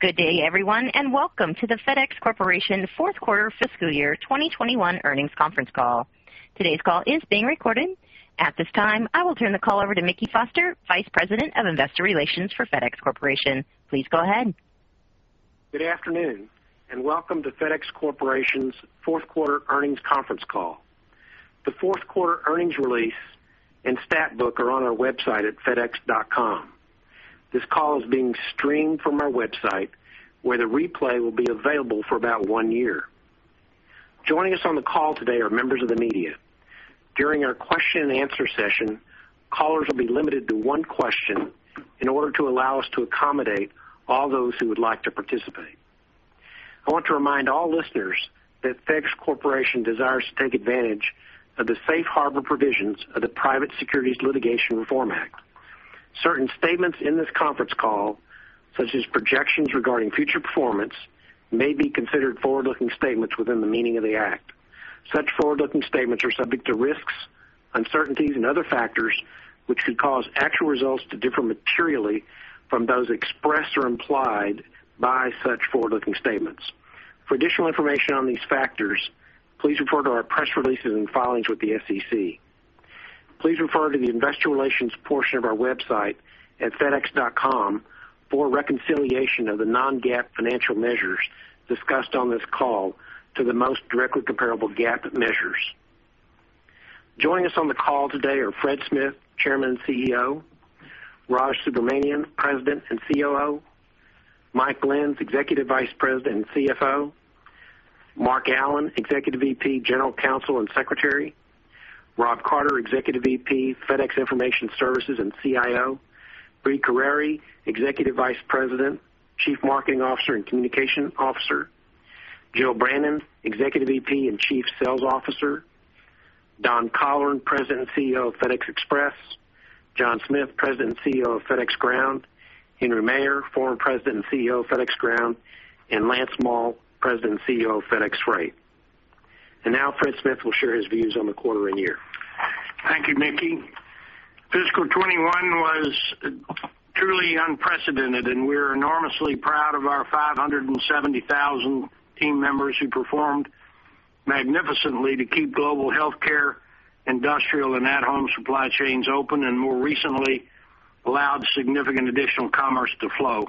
Good day, everyone, and welcome to the FedEx Corporation fourth quarter fiscal year 2021 earnings conference call. Today's call is being recorded. At this time, I will turn the call over to Mickey Foster, Vice President of Investor Relations for FedEx Corporation. Please go ahead. Good afternoon, and welcome to FedEx Corporation's fourth quarter earnings conference call. The fourth quarter earnings release and stat book are on our website at fedex.com. This call is being streamed from our website, where the replay will be available for about one year. Joining us on the call today are members of the media. During our question and answer session, callers will be limited to one question in order to allow us to accommodate all those who would like to participate. I want to remind all listeners that FedEx Corporation desires to take advantage of the safe harbor provisions of the Private Securities Litigation Reform Act. Certain statements in this conference call, such as projections regarding future performance, may be considered forward-looking statements within the meaning of the act. Such forward-looking statements are subject to risks, uncertainties, and other factors, which could cause actual results to differ materially from those expressed or implied by such forward-looking statements. For additional information on these factors, please refer to our press releases and filings with the SEC. Please refer to the Investor Relations portion of our website at fedex.com for reconciliation of the non-GAAP financial measures discussed on this call to the most directly comparable GAAP measures. Joining us on the call today are Fred Smith, Chairman and CEO; Raj Subramaniam, President and COO; Mike Lenz, Executive Vice President and CFO; Mark Allen, Executive VP, General Counsel, and Secretary; Rob Carter, Executive VP, FedEx Information Services and CIO; Brie Carere, Executive Vice President, Chief Marketing Officer, and Communication Officer; Jill Brannon, Executive VP and Chief Sales Officer; Don Colleran, President and CEO of FedEx Express; John Smith, President and CEO of FedEx Ground; Henry Maier, former President and CEO of FedEx Ground; and Lance Moll, President and CEO of FedEx Freight. Now Fred Smith will share his views on the quarter and year. Thank you, Mickey. Fiscal 2021 was truly unprecedented, and we're enormously proud of our 570,000 team members who performed magnificently to keep global healthcare, industrial, and at-home supply chains open, and more recently, allowed significant additional commerce to flow.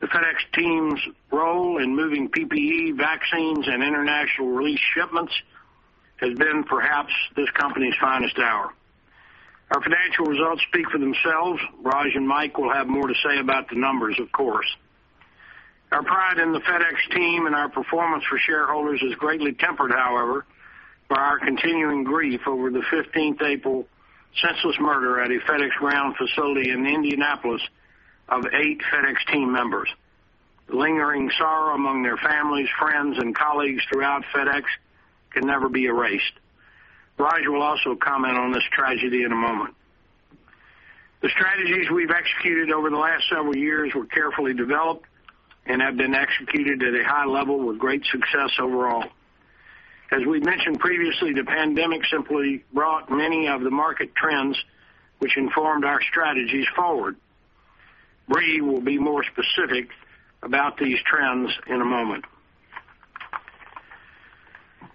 The FedEx team's role in moving PPE, vaccines, and international relief shipments has been perhaps this company's finest hour. Our financial results speak for themselves. Raj and Mike will have more to say about the numbers, of course. Our pride in the FedEx team and our performance for shareholders is greatly tempered, however, by our continuing grief over the 15th April senseless murder at a FedEx Ground facility in Indianapolis of eight FedEx team members. The lingering sorrow among their families, friends, and colleagues throughout FedEx can never be erased. Raj will also comment on this tragedy in a moment. The strategies we've executed over the last several years were carefully developed and have been executed at a high level with great success overall. As we've mentioned previously, the pandemic simply brought many of the market trends which informed our strategies forward. Brie will be more specific about these trends in a moment.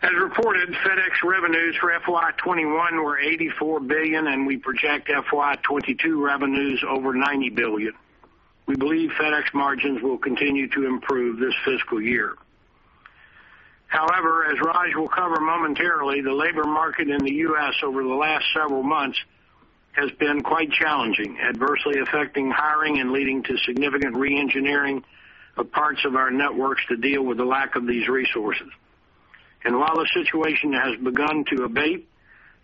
As reported, FedEx revenues for FY 2021 were $84 billion, and we project FY 2022 revenues over $90 billion. We believe FedEx margins will continue to improve this fiscal year. However, as Raj will cover momentarily, the labor market in the U.S. over the last several months has been quite challenging, adversely affecting hiring and leading to significant re-engineering of parts of our networks to deal with the lack of these resources. While the situation has begun to abate,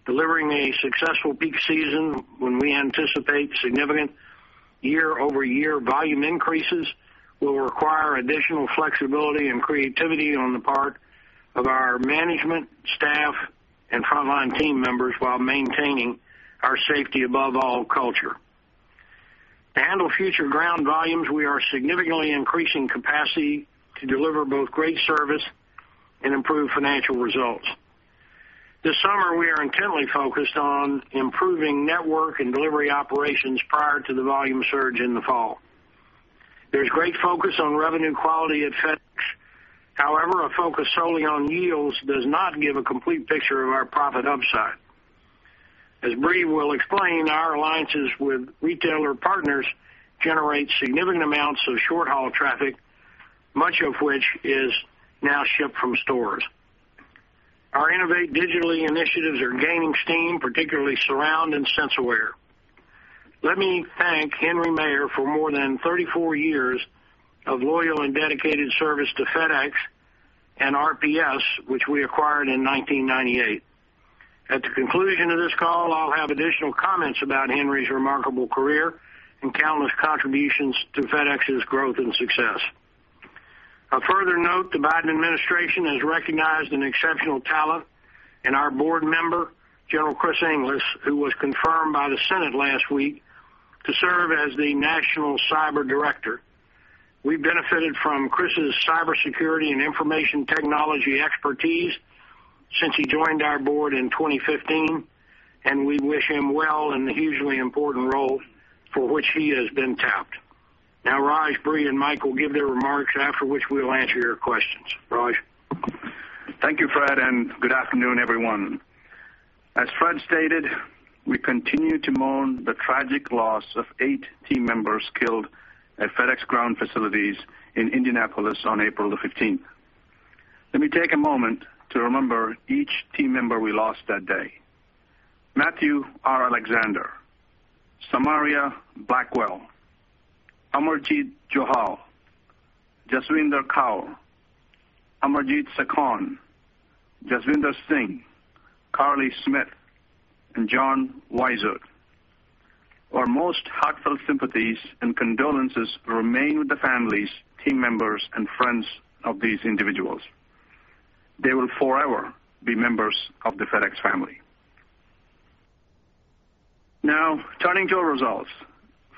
delivering a successful peak season when we anticipate significant year-over-year volume increases will require additional flexibility and creativity on the part of our management, staff, and frontline team members while maintaining our safety above all culture. To handle future Ground volumes, we are significantly increasing capacity to deliver both great service and improve financial results. This summer, we are intently focused on improving network and delivery operations prior to the volume surge in the fall. There's great focus on revenue quality at FedEx. However, a focus solely on yields does not give a complete picture of our profit upside. As Brie will explain, our alliances with retailer partners generate significant amounts of short-haul traffic, much of which is now shipped from stores. Our innovate digitally initiatives are gaining steam, particularly Surround and SenseAware. Let me thank Henry Maier for more than 34 years of loyal and dedicated service to FedEx and RPS, which we acquired in 1998. At the conclusion of this call, I'll have additional comments about Henry's remarkable career and countless contributions to FedEx's growth and success. A further note, the Biden administration has recognized an exceptional talent in our Board member, General Chris Inglis, who was confirmed by the Senate last week to serve as the National Cyber Director. We benefited from Chris' cybersecurity and information technology expertise since he joined our Board in 2015. We wish him well in the hugely important role for which he has been tapped. Now, Raj, Brie, and Mike will give their remarks, after which we will answer your questions. Raj? Thank you, Fred, and good afternoon, everyone. As Fred stated, we continue to mourn the tragic loss of eight team members killed at FedEx Ground facilities in Indianapolis on April the 15th. Let me take a moment to remember each team member we lost that day. Matthew R. Alexander, Samaria Blackwell, Amarjeet Johal, Jasvinder Kaur, Amarjit Sekhon, Jaswinder Singh, Karli Smith, and John Weisert. Our most heartfelt sympathies and condolences remain with the families, team members, and friends of these individuals. They will forever be members of the FedEx family. Now, turning to our results.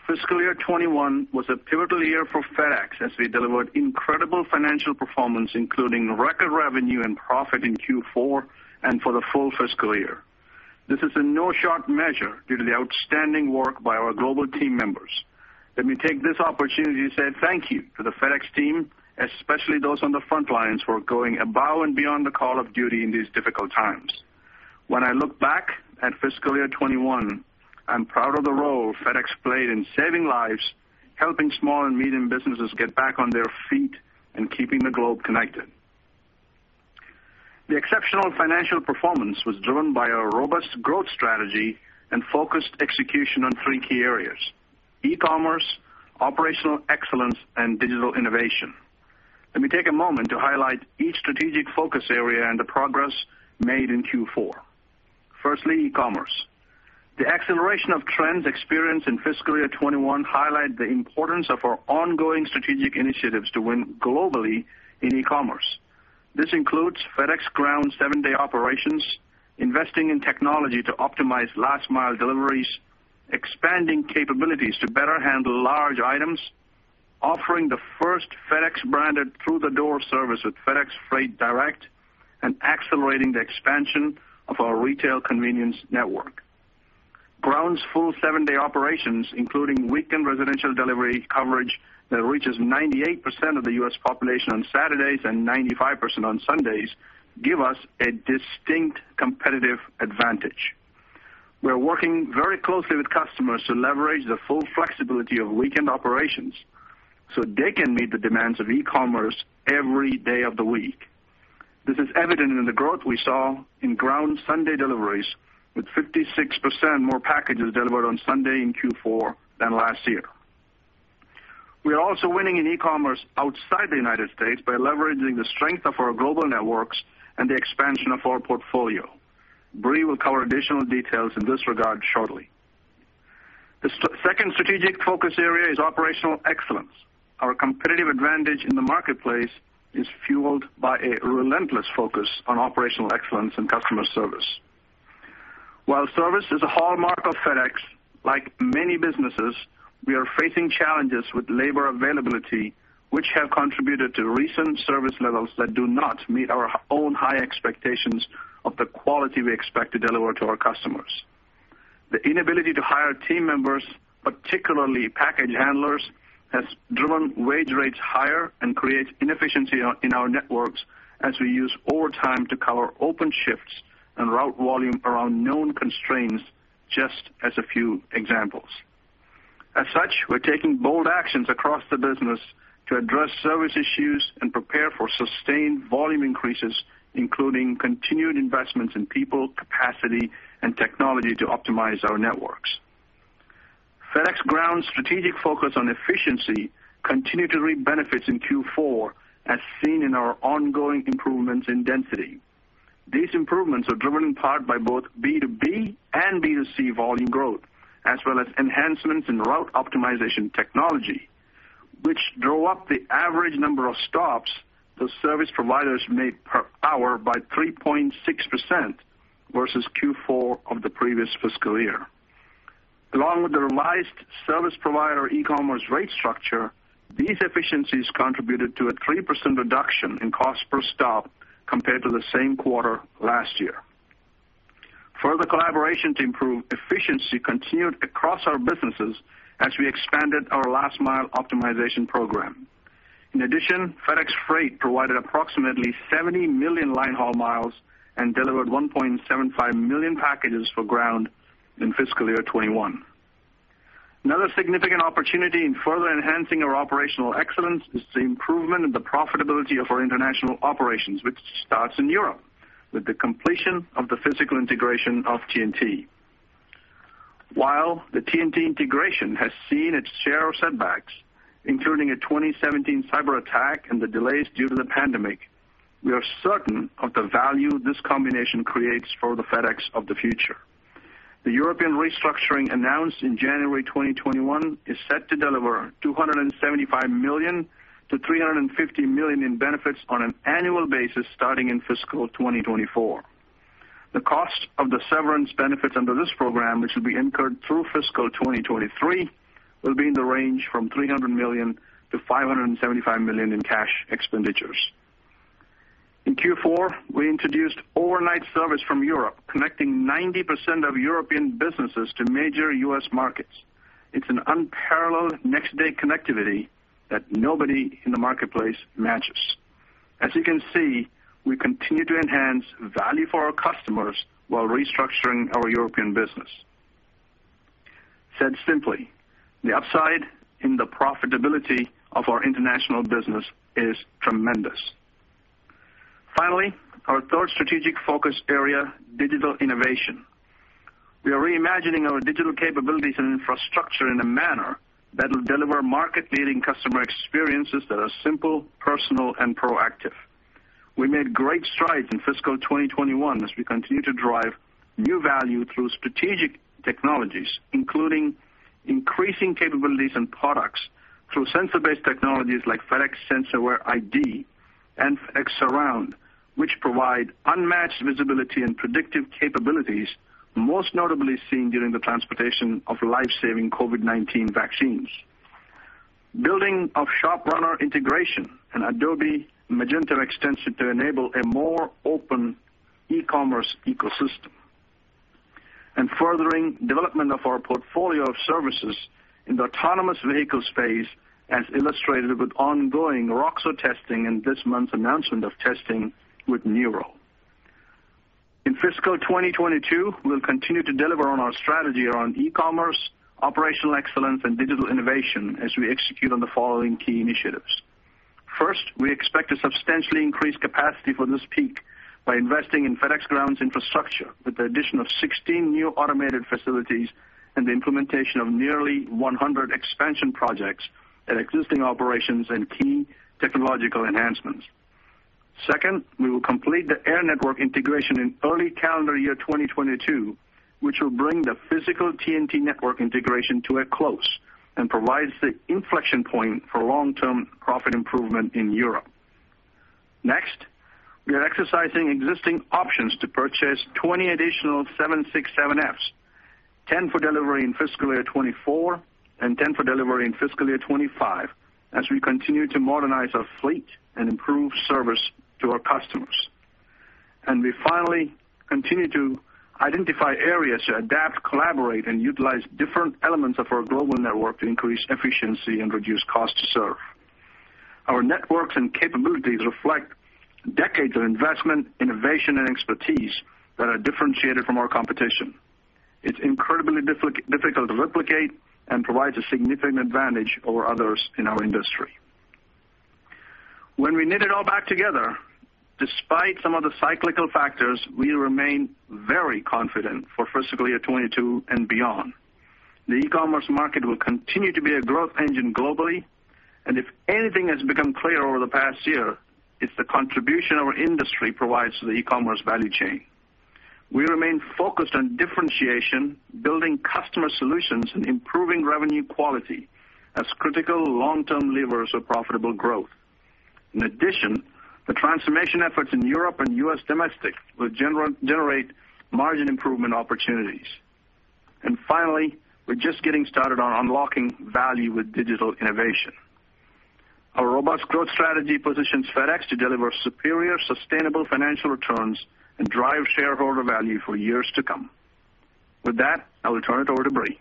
Fiscal year 2021 was a pivotal year for FedEx as we delivered incredible financial performance, including record revenue and profit in Q4 and for the full fiscal year. This is in no short measure due to the outstanding work by our global team members. Let me take this opportunity to say thank you to the FedEx team, especially those on the front lines who are going above and beyond the call of duty in these difficult times. When I look back at fiscal year 2021, I'm proud of the role FedEx played in saving lives, helping small and medium businesses get back on their feet, and keeping the globe connected. The exceptional financial performance was driven by our robust growth strategy and focused execution on three key areas: e-commerce, operational excellence, and digital innovation. Let me take a moment to highlight each strategic focus area and the progress made in Q4. Firstly, e-commerce. The acceleration of trends experienced in fiscal year 2021 highlight the importance of our ongoing strategic initiatives to win globally in e-commerce. This includes FedEx Ground seven-day operations, investing in technology to optimize last-mile deliveries, expanding capabilities to better handle large items, offering the first FedEx-branded through-the-door service with FedEx Freight Direct, and accelerating the expansion of our retail convenience network. Ground's full seven-day operations, including weekend residential delivery coverage that reaches 98% of the U.S. population on Saturdays and 95% on Sundays, give us a distinct competitive advantage. We are working very closely with customers to leverage the full flexibility of weekend operations so they can meet the demands of e-commerce every day of the week. This is evident in the growth we saw in Ground Sunday deliveries, with 56% more packages delivered on Sunday in Q4 than last year. We are also winning in e-commerce outside the United States by leveraging the strength of our global networks and the expansion of our portfolio. Brie will cover additional details in this regard shortly. The second strategic focus area is operational excellence. Our competitive advantage in the marketplace is fueled by a relentless focus on operational excellence and customer service. While service is a hallmark of FedEx, like many businesses, we are facing challenges with labor availability, which have contributed to recent service levels that do not meet our own high expectations of the quality we expect to deliver to our customers. The inability to hire team members, particularly package handlers, has driven wage rates higher and create inefficiency in our networks as we use overtime to cover open shifts and route volume around known constraints, just as a few examples. As such, we're taking bold actions across the business to address service issues and prepare for sustained volume increases, including continued investments in people, capacity, and technology to optimize our networks. FedEx Ground's strategic focus on efficiency continued to reap benefits in Q4, as seen in our ongoing improvements in density. These improvements are driven in part by both B2B and B2C volume growth, as well as enhancements in route optimization technology, which drove up the average number of stops the service providers make per hour by 3.6% versus Q4 of the previous fiscal year. Along with the revised service provider e-commerce rate structure, these efficiencies contributed to a 3% reduction in cost per stop compared to the same quarter last year. Further collaboration to improve efficiency continued across our businesses as we expanded our last mile optimization program. In addition, FedEx Freight provided approximately 70 million line haul miles and delivered 1.75 million packages for Ground in fiscal year 2021. Another significant opportunity in further enhancing our operational excellence is the improvement in the profitability of our international operations, which starts in Europe with the completion of the physical integration of TNT. While the TNT integration has seen its share of setbacks, including a 2017 cyber attack and the delays due to the pandemic, we are certain of the value this combination creates for the FedEx of the future. The European restructuring announced in January 2021 is set to deliver $275 million-$350 million in benefits on an annual basis starting in fiscal 2024. The cost of the severance benefits under this program, which will be incurred through fiscal 2023, will be in the range from $300 million-$575 million in cash expenditures. In Q4, we introduced overnight service from Europe, connecting 90% of European businesses to major U.S. markets. It's an unparalleled next-day connectivity that nobody in the marketplace matches. As you can see, we continue to enhance value for our customers while restructuring our European business. Said simply, the upside in the profitability of our international business is tremendous. Finally, our third strategic focus area, digital innovation. We are reimagining our digital capabilities and infrastructure in a manner that will deliver market-leading customer experiences that are simple, personal, and proactive. We made great strides in fiscal 2021 as we continue to drive new value through strategic technologies, including increasing capabilities and products through sensor-based technologies like FedEx SenseAware ID and FedEx Surround, which provide unmatched visibility and predictive capabilities, most notably seen during the transportation of life-saving COVID-19 vaccines, building of ShopRunner integration and Adobe Magento extension to enable a more open e-commerce ecosystem. Furthering development of our portfolio of services in the autonomous vehicle space, as illustrated with ongoing Roxo testing and this month's announcement of testing with Nuro. In fiscal 2022, we'll continue to deliver on our strategy around e-commerce, operational excellence, and digital innovation as we execute on the following key initiatives. First, we expect to substantially increase capacity for this peak by investing in FedEx Ground's infrastructure with the addition of 16 new automated facilities and the implementation of nearly 100 expansion projects at existing operations and key technological enhancements. Second, we will complete the air network integration in early calendar year 2022, which will bring the physical TNT network integration to a close and provides the inflection point for long-term profit improvement in Europe. We are exercising existing options to purchase 20 additional 767Fs, 10 for delivery in fiscal year 2024 and 10 for delivery in fiscal year 2025, as we continue to modernize our fleet and improve service to our customers. We finally continue to identify areas to adapt, collaborate, and utilize different elements of our global network to increase efficiency and reduce cost to serve. Our networks and capabilities reflect decades of investment, innovation, and expertise that are differentiated from our competition. It's incredibly difficult to replicate and provides a significant advantage over others in our industry. When we knit it all back together, despite some of the cyclical factors, we remain very confident for fiscal year 2022 and beyond. The e-commerce market will continue to be a growth engine globally. If anything has become clear over the past year, it's the contribution our industry provides to the e-commerce value chain. We remain focused on differentiation, building customer solutions, improving revenue quality as critical long-term levers of profitable growth. In addition, the transformation efforts in Europe and U.S. domestic will generate margin improvement opportunities. Finally, we're just getting started on unlocking value with digital innovation. Our robust growth strategy positions FedEx to deliver superior, sustainable financial returns and drive shareholder value for years to come. With that, I will turn it over to Brie.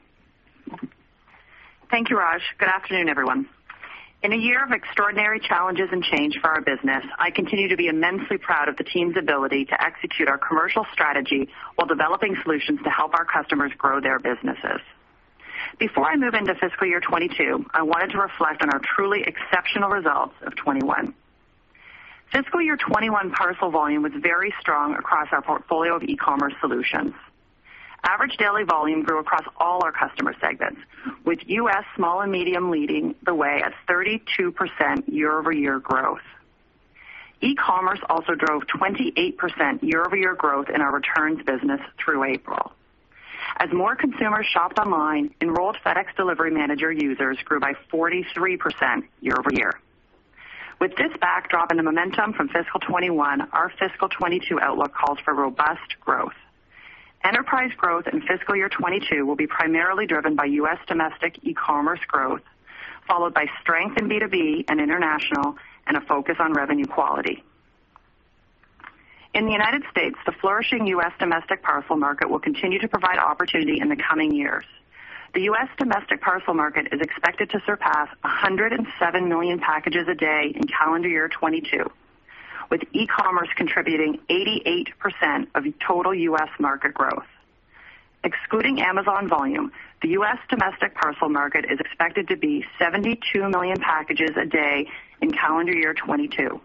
Thank you, Raj. Good afternoon, everyone. In a year of extraordinary challenges and change for our business, I continue to be immensely proud of the team's ability to execute our commercial strategy while developing solutions to help our customers grow their businesses. Before I move into fiscal year 2022, I wanted to reflect on our truly exceptional results of 2021. Fiscal year 2021 parcel volume was very strong across our portfolio of e-commerce solutions. Average daily volume grew across all our customer segments, with U.S. small and medium leading the way at 32% year-over-year growth. E-commerce also drove 28% year-over-year growth in our returns business through April. As more consumers shop online, enrolled FedEx Delivery Manager users grew by 43% year-over-year. With this backdrop and the momentum from fiscal 2021, our fiscal 2022 outlook calls for robust growth. Enterprise growth in fiscal year 2022 will be primarily driven by U.S. domestic e-commerce growth, followed by strength in B2B and international, and a focus on revenue quality. In the United States, the flourishing U.S. domestic parcel market will continue to provide opportunity in the coming years. The U.S. domestic parcel market is expected to surpass 107 million packages a day in calendar year 2022, with e-commerce contributing 88% of the total U.S. market growth. Excluding Amazon volume, the U.S. domestic parcel market is expected to be 72 million packages a day in calendar year 2022.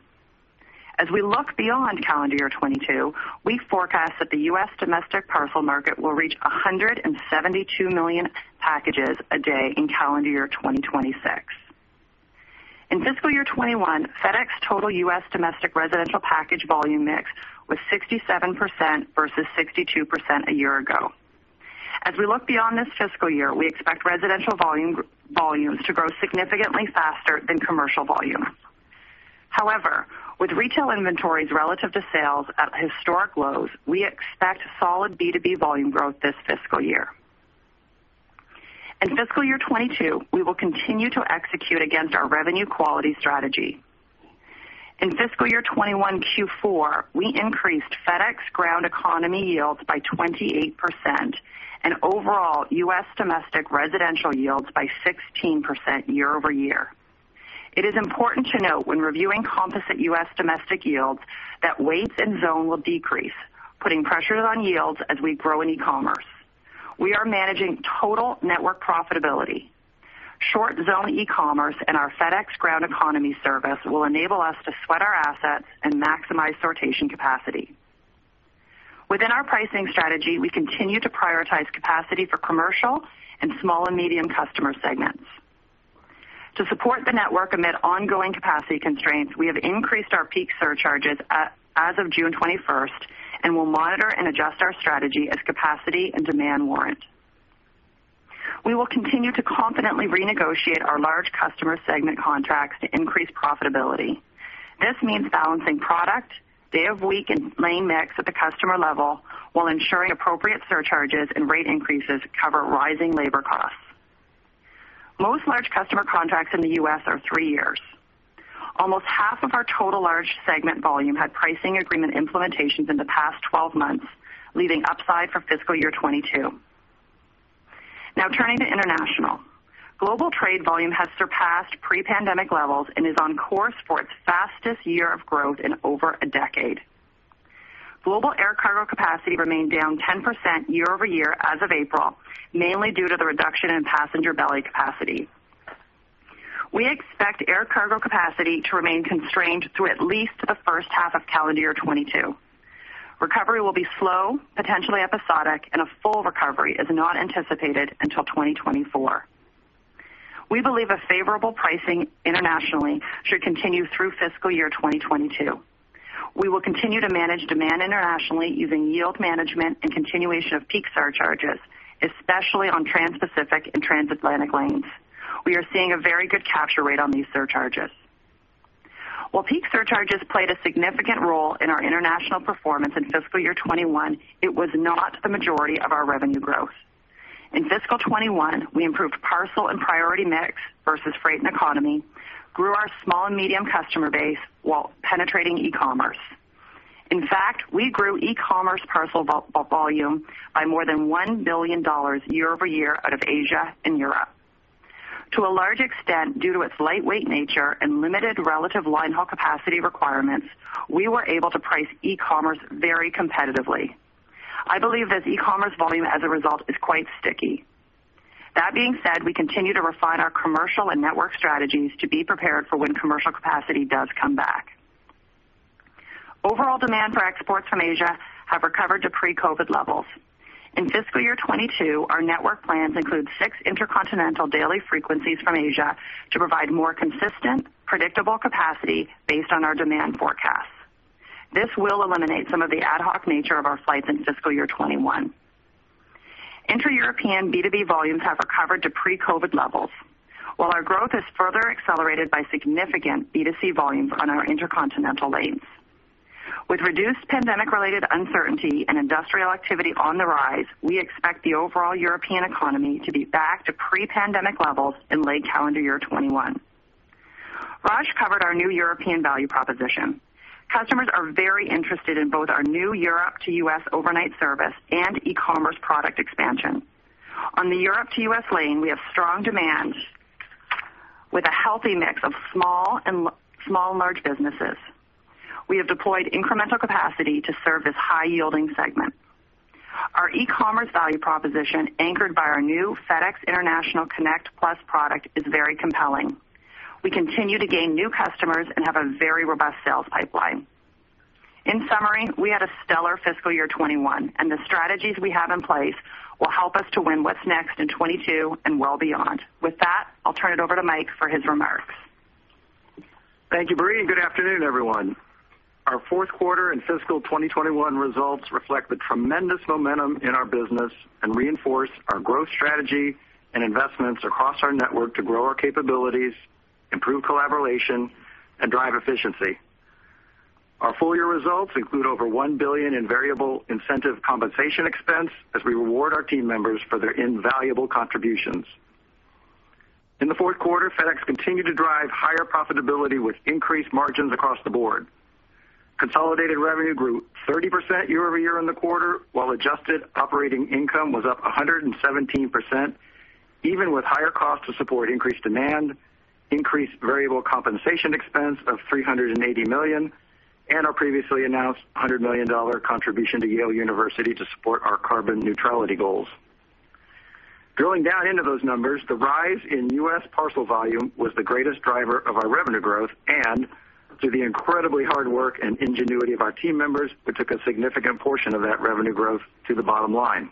As we look beyond calendar year 2022, we forecast that the U.S. domestic parcel market will reach 172 million packages a day in calendar year 2026. In fiscal year 2021, FedEx total U.S. domestic residential package volume mix was 67% versus 62% a year ago. As we look beyond this fiscal year, we expect residential volumes to grow significantly faster than commercial volume. With retail inventories relative to sales at historic lows, we expect solid B2B volume growth this fiscal year. In fiscal year 2022, we will continue to execute against our revenue quality strategy. In fiscal year 2021 Q4, we increased FedEx Ground Economy yields by 28%, and overall U.S. domestic residential yields by 16% year-over-year. It is important to note when reviewing composite U.S. domestic yields that weight and zone will decrease, putting pressure on yields as we grow in e-commerce. We are managing total network profitability. Short zone e-commerce and our FedEx Ground Economy service will enable us to sweat our assets and maximize rotation capacity. Within our pricing strategy, we continue to prioritize capacity for commercial and small and medium customer segments. To support the network amid ongoing capacity constraints, we have increased our peak surcharges as of June 21st and will monitor and adjust our strategy as capacity and demand warrant. We will continue to confidently renegotiate our large customer segment contracts to increase profitability. This means balancing product, day of week, and lane mix at the customer level while ensuring appropriate surcharges and rate increases cover rising labor costs. Most large customer contracts in the U.S. are three years. Almost half of our total large segment volume had pricing agreement implementations in the past 12 months, leaving upside for fiscal year 2022. Turning to international. Global trade volume has surpassed pre-pandemic levels and is on course for its fastest year of growth in over a decade. Global air cargo capacity remained down 10% year-over-year as of April, mainly due to the reduction in passenger belly capacity. We expect air cargo capacity to remain constrained through at least the first half of calendar year 2022. Recovery will be slow, potentially episodic, and a full recovery is not anticipated until 2024. We believe a favorable pricing internationally should continue through fiscal year 2022. We will continue to manage demand internationally using yield management and continuation of peak surcharges, especially on Transpacific and Transatlantic lanes. We are seeing a very good capture rate on these surcharges. While peak surcharges played a significant role in our international performance in fiscal year 2021, it was not the majority of our revenue growth. In fiscal year 2021, we improved parcel and priority mix versus freight and economy, grew our small and medium customer base while penetrating e-commerce. In fact, we grew e-commerce parcel volume by more than $1 billion year-over-year out of Asia and Europe. To a large extent, due to its lightweight nature and limited relative line haul capacity requirements, we were able to price e-commerce very competitively. I believe this e-commerce volume as a result is quite sticky. That being said, we continue to refine our commercial and network strategies to be prepared for when commercial capacity does come back. Overall demand for exports from Asia have recovered to pre-COVID levels. In fiscal year 2022, our network plans include six intercontinental daily frequencies from Asia to provide more consistent, predictable capacity based on our demand forecasts. This will eliminate some of the ad hoc nature of our flights in fiscal year 2021. Inter-European B2B volumes have recovered to pre-COVID levels, while our growth is further accelerated by significant B2C volumes on our intercontinental lanes. With reduced pandemic-related uncertainty and industrial activity on the rise, we expect the overall European economy to be back to pre-pandemic levels in late calendar year 2021. Raj covered our new European value proposition. Customers are very interested in both our new Europe to U.S. overnight service and e-commerce product expansion. On the Europe to U.S. lane, we have strong demand with a healthy mix of small and large businesses. We have deployed incremental capacity to serve this high-yielding segment. Our e-commerce value proposition, anchored by our new FedEx International Connect Plus product, is very compelling. We continue to gain new customers and have a very robust sales pipeline. In summary, we had a stellar fiscal year 2021, and the strategies we have in place will help us to win what's next in 2022 and well beyond. With that, I'll turn it over to Mike for his remarks. Thank you, Brie. Good afternoon, everyone. Our fourth quarter and fiscal 2021 results reflect the tremendous momentum in our business and reinforce our growth strategy and investments across our network to grow our capabilities, improve collaboration, and drive efficiency. Our full-year results include over $1 billion in variable incentive compensation expense as we reward our team members for their invaluable contributions. In the fourth quarter, FedEx continued to drive higher profitability with increased margins across the board. Consolidated revenue grew 30% year-over-year in the quarter, while adjusted operating income was up 117%, even with higher costs to support increased demand, increased variable compensation expense of $380 million, and our previously announced $100 million contribution to Yale University to support our carbon neutrality goals. Drilling down into those numbers, the rise in U.S. parcel volume was the greatest driver of our revenue growth and to the incredibly hard work and ingenuity of our team members, we took a significant portion of that revenue growth to the bottom line.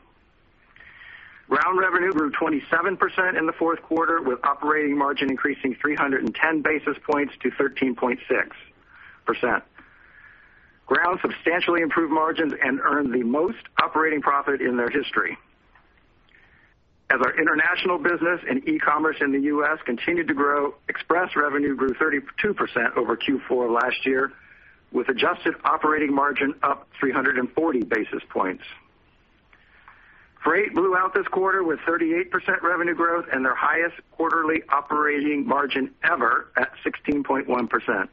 Ground revenue grew 27% in the fourth quarter, with operating margin increasing 310 basis points to 13.6%. Ground substantially improved margins and earned the most operating profit in their history. As our international business and e-commerce in the U.S. continued to grow, Express revenue grew 32% over Q4 last year, with adjusted operating margin up 340 basis points. Freight blew out this quarter with 38% revenue growth and their highest quarterly operating margin ever at 16.1%.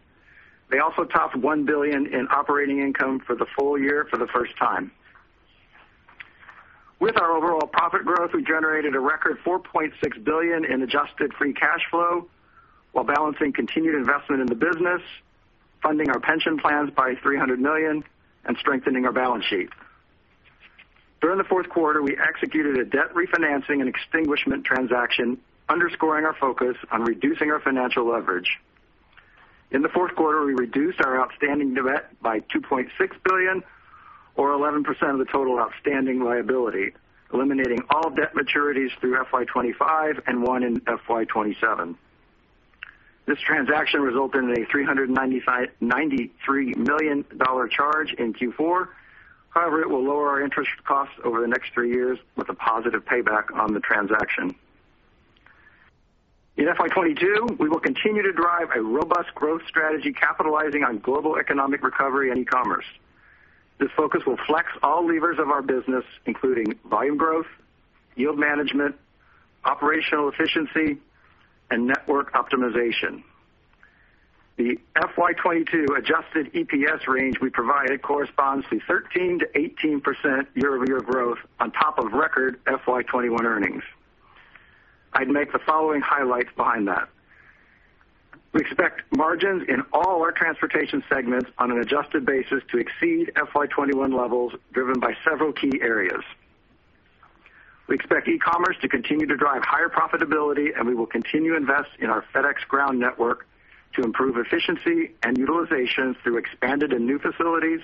They also topped $1 billion in operating income for the full year for the first time. With our overall profit growth, we generated a record $4.6 billion in adjusted free cash flow while balancing continued investment in the business, funding our pension plans by $300 million, and strengthening our balance sheet. During the fourth quarter, we executed a debt refinancing and extinguishment transaction underscoring our focus on reducing our financial leverage. In the fourth quarter, we reduced our outstanding debt by $2.6 billion or 11% of the total outstanding liability, eliminating all debt maturities through FY 2025 and one in FY 2027. This transaction resulted in a $393 million charge in Q4. It will lower our interest costs over the next three years with a positive payback on the transaction. In FY 2022, we will continue to drive a robust growth strategy capitalizing on global economic recovery and e-commerce. This focus will flex all levers of our business, including volume growth, yield management, operational efficiency, and network optimization. The FY 2022 adjusted EPS range we provided corresponds to 13%-18% year-over-year growth on top of record FY 2021 earnings. I'd make the following highlights behind that. We expect margins in all our transportation segments on an adjusted basis to exceed FY 2021 levels, driven by several key areas. We expect e-commerce to continue to drive higher profitability, and we will continue to invest in our FedEx Ground network to improve efficiency and utilization through expanded and new facilities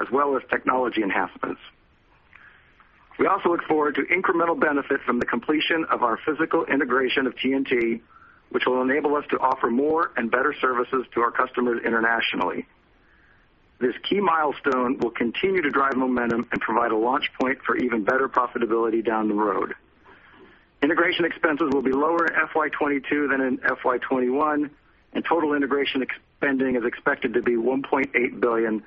as well as technology enhancements. We also look forward to incremental benefits from the completion of our physical integration of TNT, which will enable us to offer more and better services to our customers internationally. This key milestone will continue to drive momentum and provide a launch point for even better profitability down the road. Integration expenses will be lower in FY 2022 than in FY 2021. Total integration spending is expected to be $1.8 billion,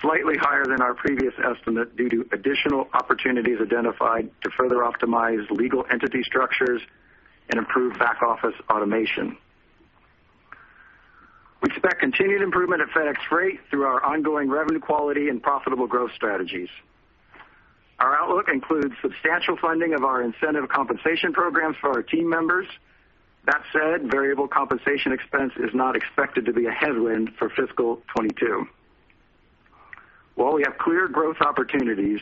slightly higher than our previous estimate due to additional opportunities identified to further optimize legal entity structures and improve back-office automation. We expect continued improvement at FedEx Freight through our ongoing revenue quality and profitable growth strategies. Our outlook includes substantial funding of our incentive compensation programs for our team members. That said, variable compensation expense is not expected to be a headwind for fiscal 2022. While we have clear growth opportunities,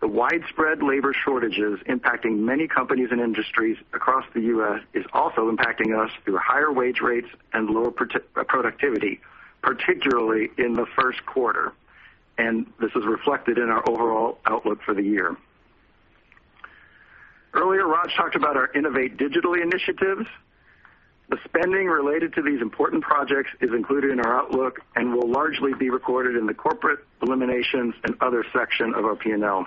the widespread labor shortages impacting many companies and industries across the U.S. is also impacting us through higher wage rates and lower productivity, particularly in the first quarter. This is reflected in our overall outlook for the year. Earlier, Raj talked about our innovate digitally initiatives. The spending related to these important projects is included in our outlook and will largely be recorded in the corporate eliminations and other section of our P&L.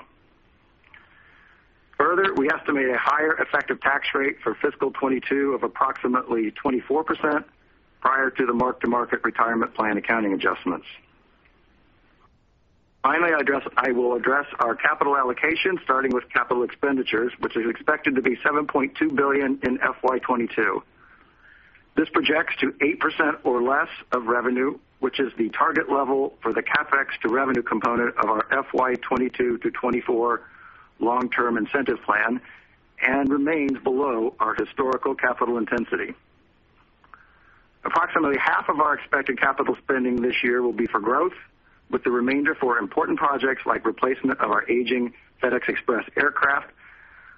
Further, we estimate a higher effective tax rate for fiscal 2022 of approximately 24% prior to the mark-to-market retirement plan accounting adjustments. Finally, I will address our capital allocation, starting with capital expenditures, which is expected to be $7.2 billion in FY 2022. This projects to 8% or less of revenue, which is the target level for the CapEx to revenue component of our FY 2022- FY 2024 long-term incentive plan and remains below our historical capital intensity. Approximately half of our expected capital spending this year will be for growth, with the remainder for important projects like replacement of our aging FedEx Express aircraft,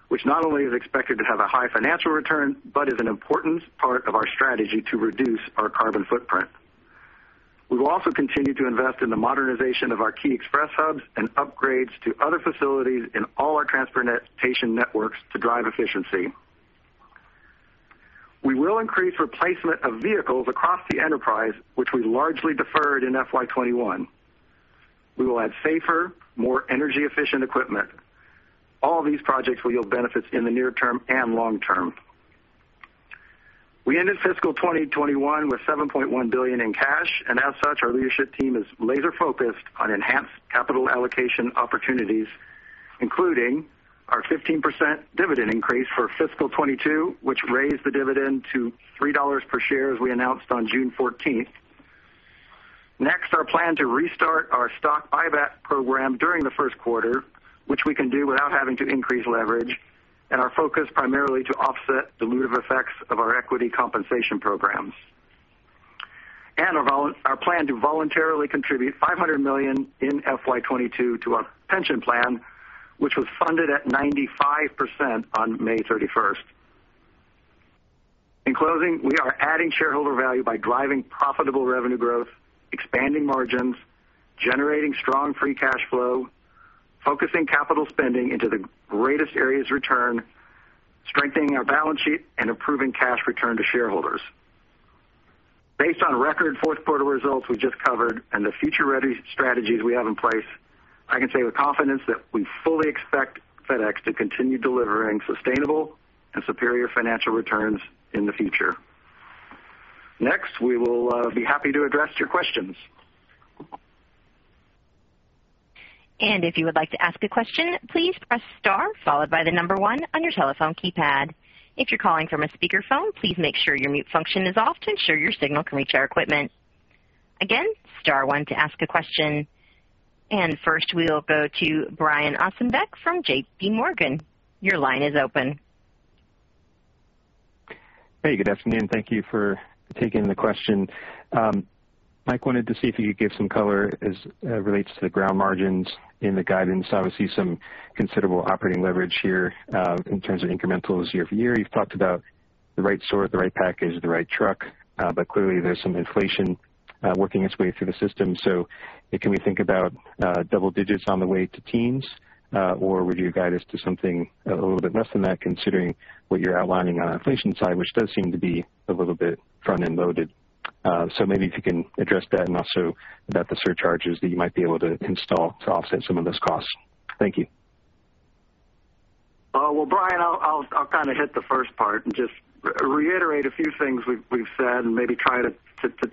which not only is expected to have a high financial return but is an important part of our strategy to reduce our carbon footprint. We will also continue to invest in the modernization of our key Express hubs and upgrades to other facilities in all our transportation networks to drive efficiency. We will increase replacement of vehicles across the enterprise, which we largely deferred in FY 2021. We will add safer, more energy-efficient equipment. All these projects will yield benefits in the near term and long term. We ended fiscal 2021 with $7.1 billion in cash, and as such, our leadership team is laser-focused on enhanced capital allocation opportunities, including our 15% dividend increase for fiscal 2022, which raised the dividend to $3/share as we announced on June 14th. Next, our plan to restart our stock buyback program during the first quarter, which we can do without having to increase leverage, and are focused primarily to offset dilutive effects of our equity compensation programs. Our plan to voluntarily contribute $500 million in FY 2022 to our pension plan, which was funded at 95% on May 31st. In closing, we are adding shareholder value by driving profitable revenue growth, expanding margins, generating strong free cash flow, focusing capital spending into the greatest areas of return, strengthening our balance sheet, and improving cash return to shareholders. Based on record fourth quarter results we just covered and the future-ready strategies we have in place, I can say with confidence that we fully expect FedEx to continue delivering sustainable and superior financial returns in the future. Next, we will be happy to address your questions. If you would like to ask a question, please press star followed by the number one on your telephone keypad. If you're calling from a speakerphone, please make sure your mute function is off to ensure your signal can reach our equipment. Again, star one to ask a question. First we will go to Brian Ossenbeck from JPMorgan. Your line is open. Hey, good afternoon. Thank you for taking the question. Mike, wanted to see if you could give some color as it relates to the Ground margins in the guidance. Obviously, some considerable operating leverage here in terms of incrementals year-over-year. You've talked about the right sort, the right package, the right truck. Clearly, there's some inflation working its way through the system. Can we think about double-digits on the way to teens, or would you guide us to something a little bit less than that, considering what you're outlining on inflation side, which does seem to be a little bit front-end loaded? Maybe if you can address that and also about the surcharges that you might be able to install to offset some of those costs. Thank you. Brian, I'll hit the first part and just reiterate a few things we've said and maybe try to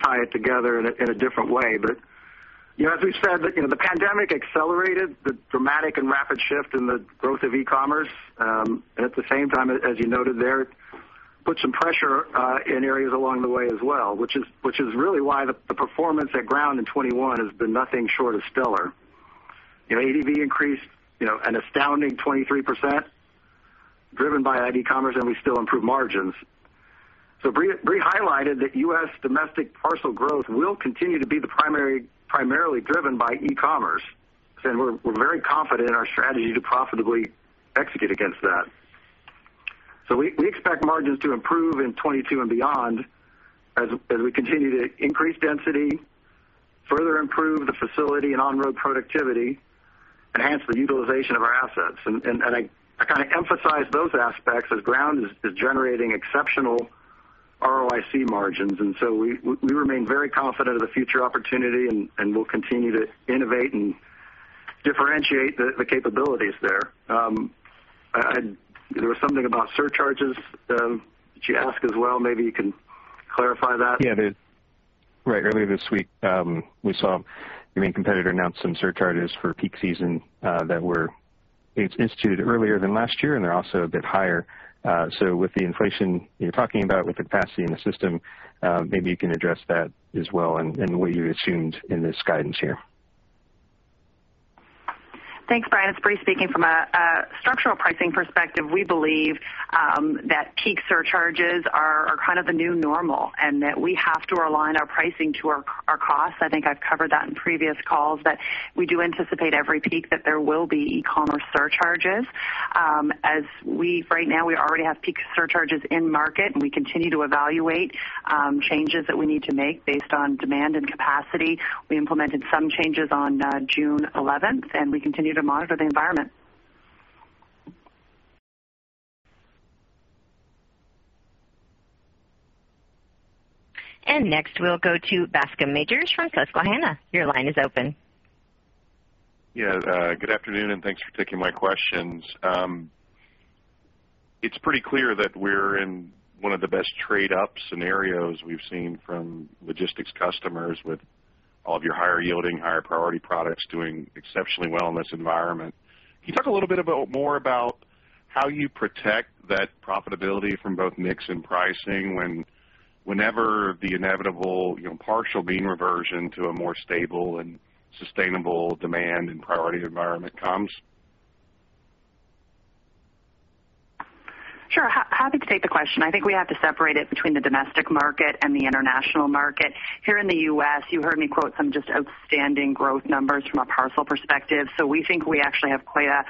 tie it together in a different way. As we said, the pandemic accelerated the dramatic and rapid shift in the growth of e-commerce. At the same time, as you noted there, put some pressure in areas along the way as well, which is really why the performance at Ground in 2021 has been nothing short of stellar. ADV increased an astounding 23%, driven by e-commerce, and we still improved margins. Brie highlighted that U.S. domestic parcel growth will continue to be primarily driven by e-commerce. We're very confident in our strategy to profitably execute against that. We expect margins to improve in 2022 and beyond as we continue to increase density, further improve the facility and on-road productivity, and enhance the utilization of our assets. I emphasize those aspects as Ground is generating exceptional ROIC margins. We remain very confident in the future opportunity, and we'll continue to innovate and differentiate the capabilities there. There was something about surcharges that you asked as well. Maybe you can clarify that. Earlier this week, we saw your main competitor announce some surcharges for peak season that were instituted earlier than last year, and they're also a bit higher. With the inflation you're talking about with capacity in the system, maybe you can address that as well and what you've assumed in this guidance here. Thanks, Brian. Brie speaking. From a structural pricing perspective, we believe that peak surcharges are kind of a new normal and that we have to align our pricing to our costs. I think I've covered that in previous calls, but we do anticipate every peak that there will be e-commerce surcharges. As of right now, we already have peak surcharges in market, and we continue to evaluate changes that we need to make based on demand and capacity. We implemented some changes on June 11th, and we continue to monitor the environment. Next, we'll go to Bascome Majors from Susquehanna. Your line is open. Yeah. Good afternoon, and thanks for taking my questions. It is pretty clear that we are in one of the best trade-up scenarios we have seen from logistics customers with all of your higher-yielding, higher-priority products doing exceptionally well in this environment. Can you talk a little bit more about how you protect that profitability from both mix and pricing whenever the inevitable partial mean reversion to a more stable and sustainable demand and priority environment comes? Sure. Happy to take the question. I think we have to separate it between the domestic market and the international market. Here in the U.S., you heard me quote some just outstanding growth numbers from a parcel perspective. We think we actually have quite a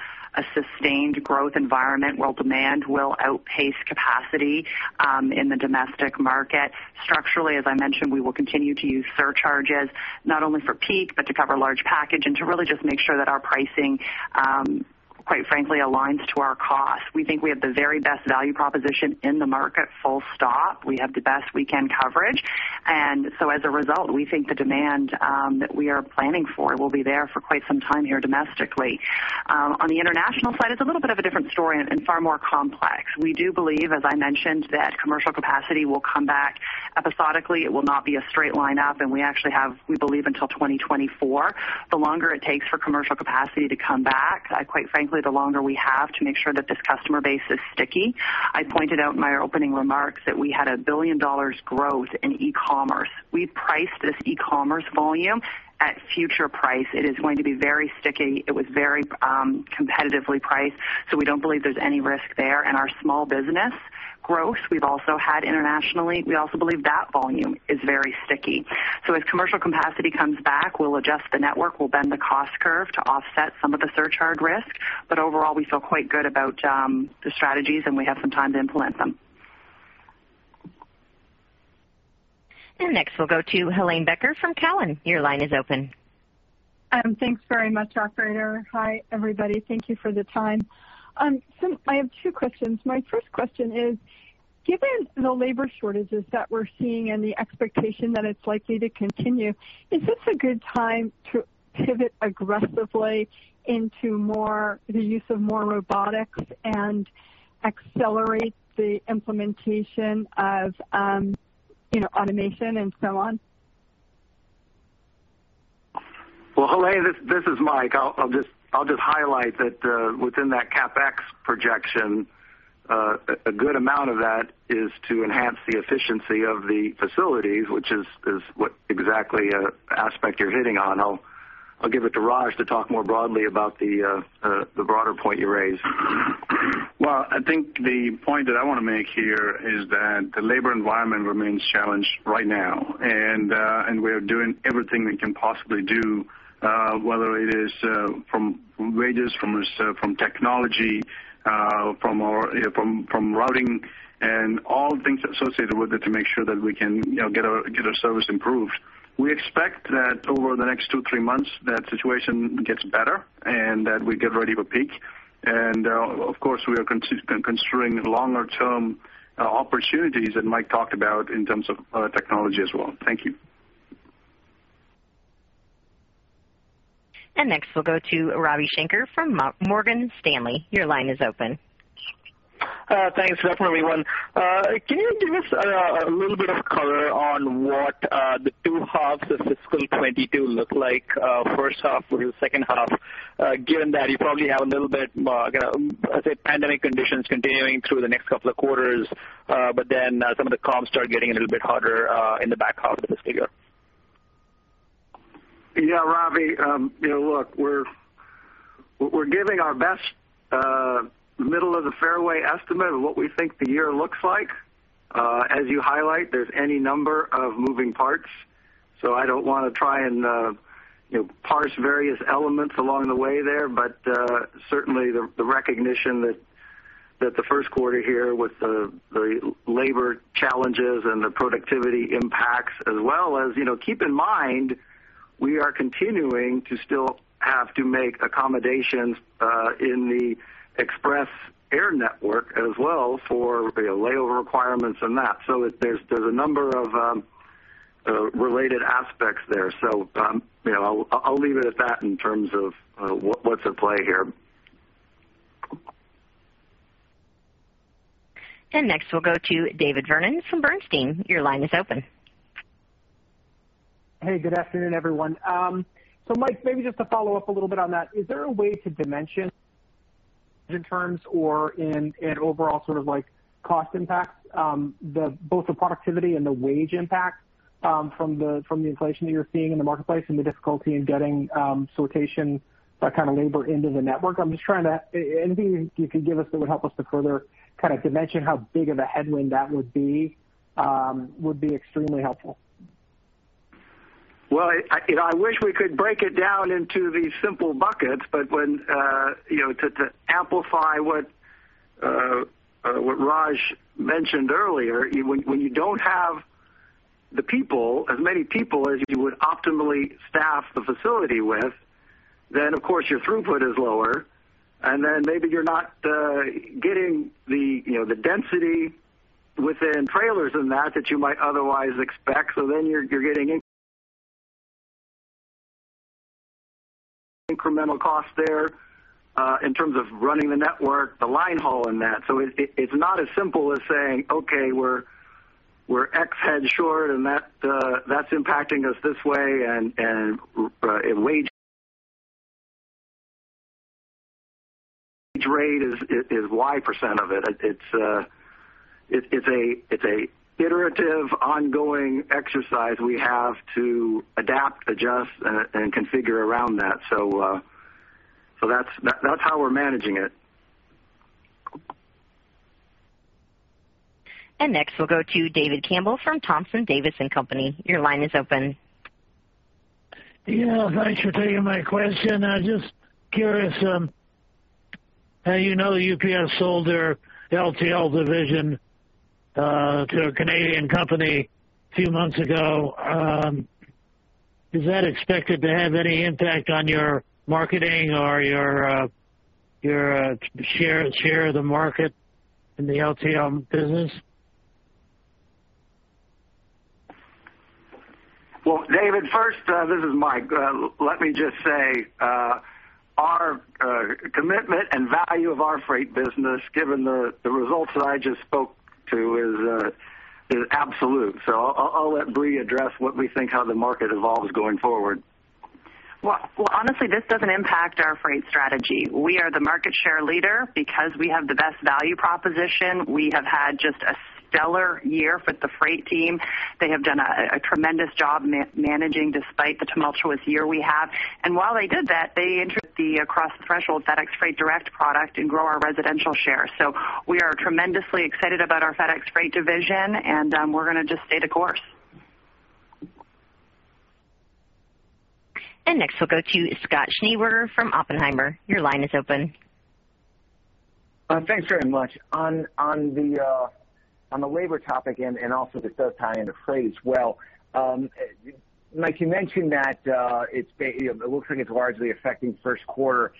sustained growth environment where demand will outpace capacity in the domestic market. Structurally, as I mentioned, we will continue to use surcharges, not only for peak but to cover large package and to really just make sure that our pricing quite frankly aligns to our cost. We think we have the very best value proposition in the market, full stop. We have the best weekend coverage. As a result, we think the demand that we are planning for will be there for quite some time here domestically. On the international side, it's a little bit of a different story and far more complex. We do believe, as I mentioned, that commercial capacity will come back episodically. It will not be a straight line up. We actually have, we believe, until 2024. The longer it takes for commercial capacity to come back, quite frankly, the longer we have to make sure that this customer base is sticky. I pointed out in my opening remarks that we had $1 billion growth in e-commerce. We priced this e-commerce volume at future price. It is going to be very sticky. It was very competitively priced, so we don't believe there's any risk there in our small business growth we've also had internationally. We also believe that volume is very sticky. As commercial capacity comes back, we'll adjust the network. We'll bend the cost curve to offset some of the surcharge risk. Overall, we feel quite good about the strategies, and we have some time to implement them. Next, we'll go to Helane Becker from Cowen. Your line is open. Thanks very much, Operator. Hi, everybody. Thank you for the time. I have two questions. My first question is, given the labor shortages that we're seeing and the expectation that it's likely to continue, is this a good time to pivot aggressively into the use of more robotics and accelerate the implementation of automation and so on? Well, hey, this is Mike. I'll just highlight that within that CapEx projection, a good amount of that is to enhance the efficiency of the facilities, which is exactly the aspect you're hitting on. I'll give it to Raj to talk more broadly about the broader point you raised. I think the point that I want to make here is that the labor environment remains challenged right now, and we are doing everything we can possibly do, whether it is from wages, from technology from routing, and all the things associated with it to make sure that we can get our service improved. We expect that over the next two, three months, that situation gets better and that we get rid of a peak. Of course, we are considering longer-term opportunities that Mike talked about in terms of technology as well. Thank you. Next, we'll go to Ravi Shanker from Morgan Stanley. Your line is open. Thanks. Good afternoon, everyone. Can you give us a little bit of color on what the two halves of FY 2022 look like? First half or the second half, given that you probably have a little bit more, I think, pandemic conditions continuing through the next couple of quarters but then some of the comps start getting a little bit harder in the back half of the fiscal. Ravi, look, we're giving our best middle-of-the-fairway estimate of what we think the year looks like. As you highlight, there's any number of moving parts, so I don't want to try and parse various elements along the way there. Certainly, the recognition that the first quarter here with the labor challenges and the productivity impacts as well as keep in mind, we are continuing to still have to make accommodations in the Express air network as well for label requirements and that. There's a number of related aspects there. I'll leave it at that in terms of what's at play here. Next, we'll go to David Vernon from Bernstein. Your line is open. Hey, good afternoon, everyone. Mike, maybe just to follow up a little bit on that, is there a way to dimension in terms or in overall sort of cost impact both the productivity and the wage impact from the inflation that you're seeing in the marketplace and the difficulty in getting sufficient, that kind of labor into the network? Anything you can give us that would help us to further kind of dimension how big of a headwind that would be would be extremely helpful. I wish we could break it down into these simple buckets, but to amplify what Raj mentioned earlier, when you don't have as many people as you would optimally staff the facility with, of course your throughput is lower, maybe you're not getting the density within trailers and that you might otherwise expect. You're getting incremental cost there in terms of running the network, the line haul in that. It's not as simple as saying, "Okay, we're X heads short, and that's impacting us this way, and wage rate is Y% of it." It's a iterative, ongoing exercise we have to adapt, adjust, and configure around that. That's how we're managing it. Next, we'll go to David Campbell from Thompson Davis & Co. Your line is open. Yeah, thanks for taking my question. Just curious, how you know UPS sold their LTL division to a Canadian company a few months ago. Is that expected to have any impact on your marketing or your shares here in the market in the LTL business? Well, David, first, this is Mike. Let me just say our commitment and value of our Freight business, given the results that I just spoke to, is absolute. I'll let Brie address what we think how the market evolves going forward. Well, honestly, this doesn't impact our Freight strategy. We are the market share leader because we have the best value proposition. We have had just a stellar year for the Freight team. They have done a tremendous job managing despite the tumultuous year we have. While they did that, they entered the across-the-threshold FedEx Freight Direct product and grow our residential share. We are tremendously excited about our FedEx Freight division, and we're going to just stay the course. Next, we'll go to Scott Schneeberger from Oppenheimer. Your line is open. Thanks very much. On the labor topic, this does tie into Freight as well. Mike, you mentioned that it looks like it's largely affecting first quarter.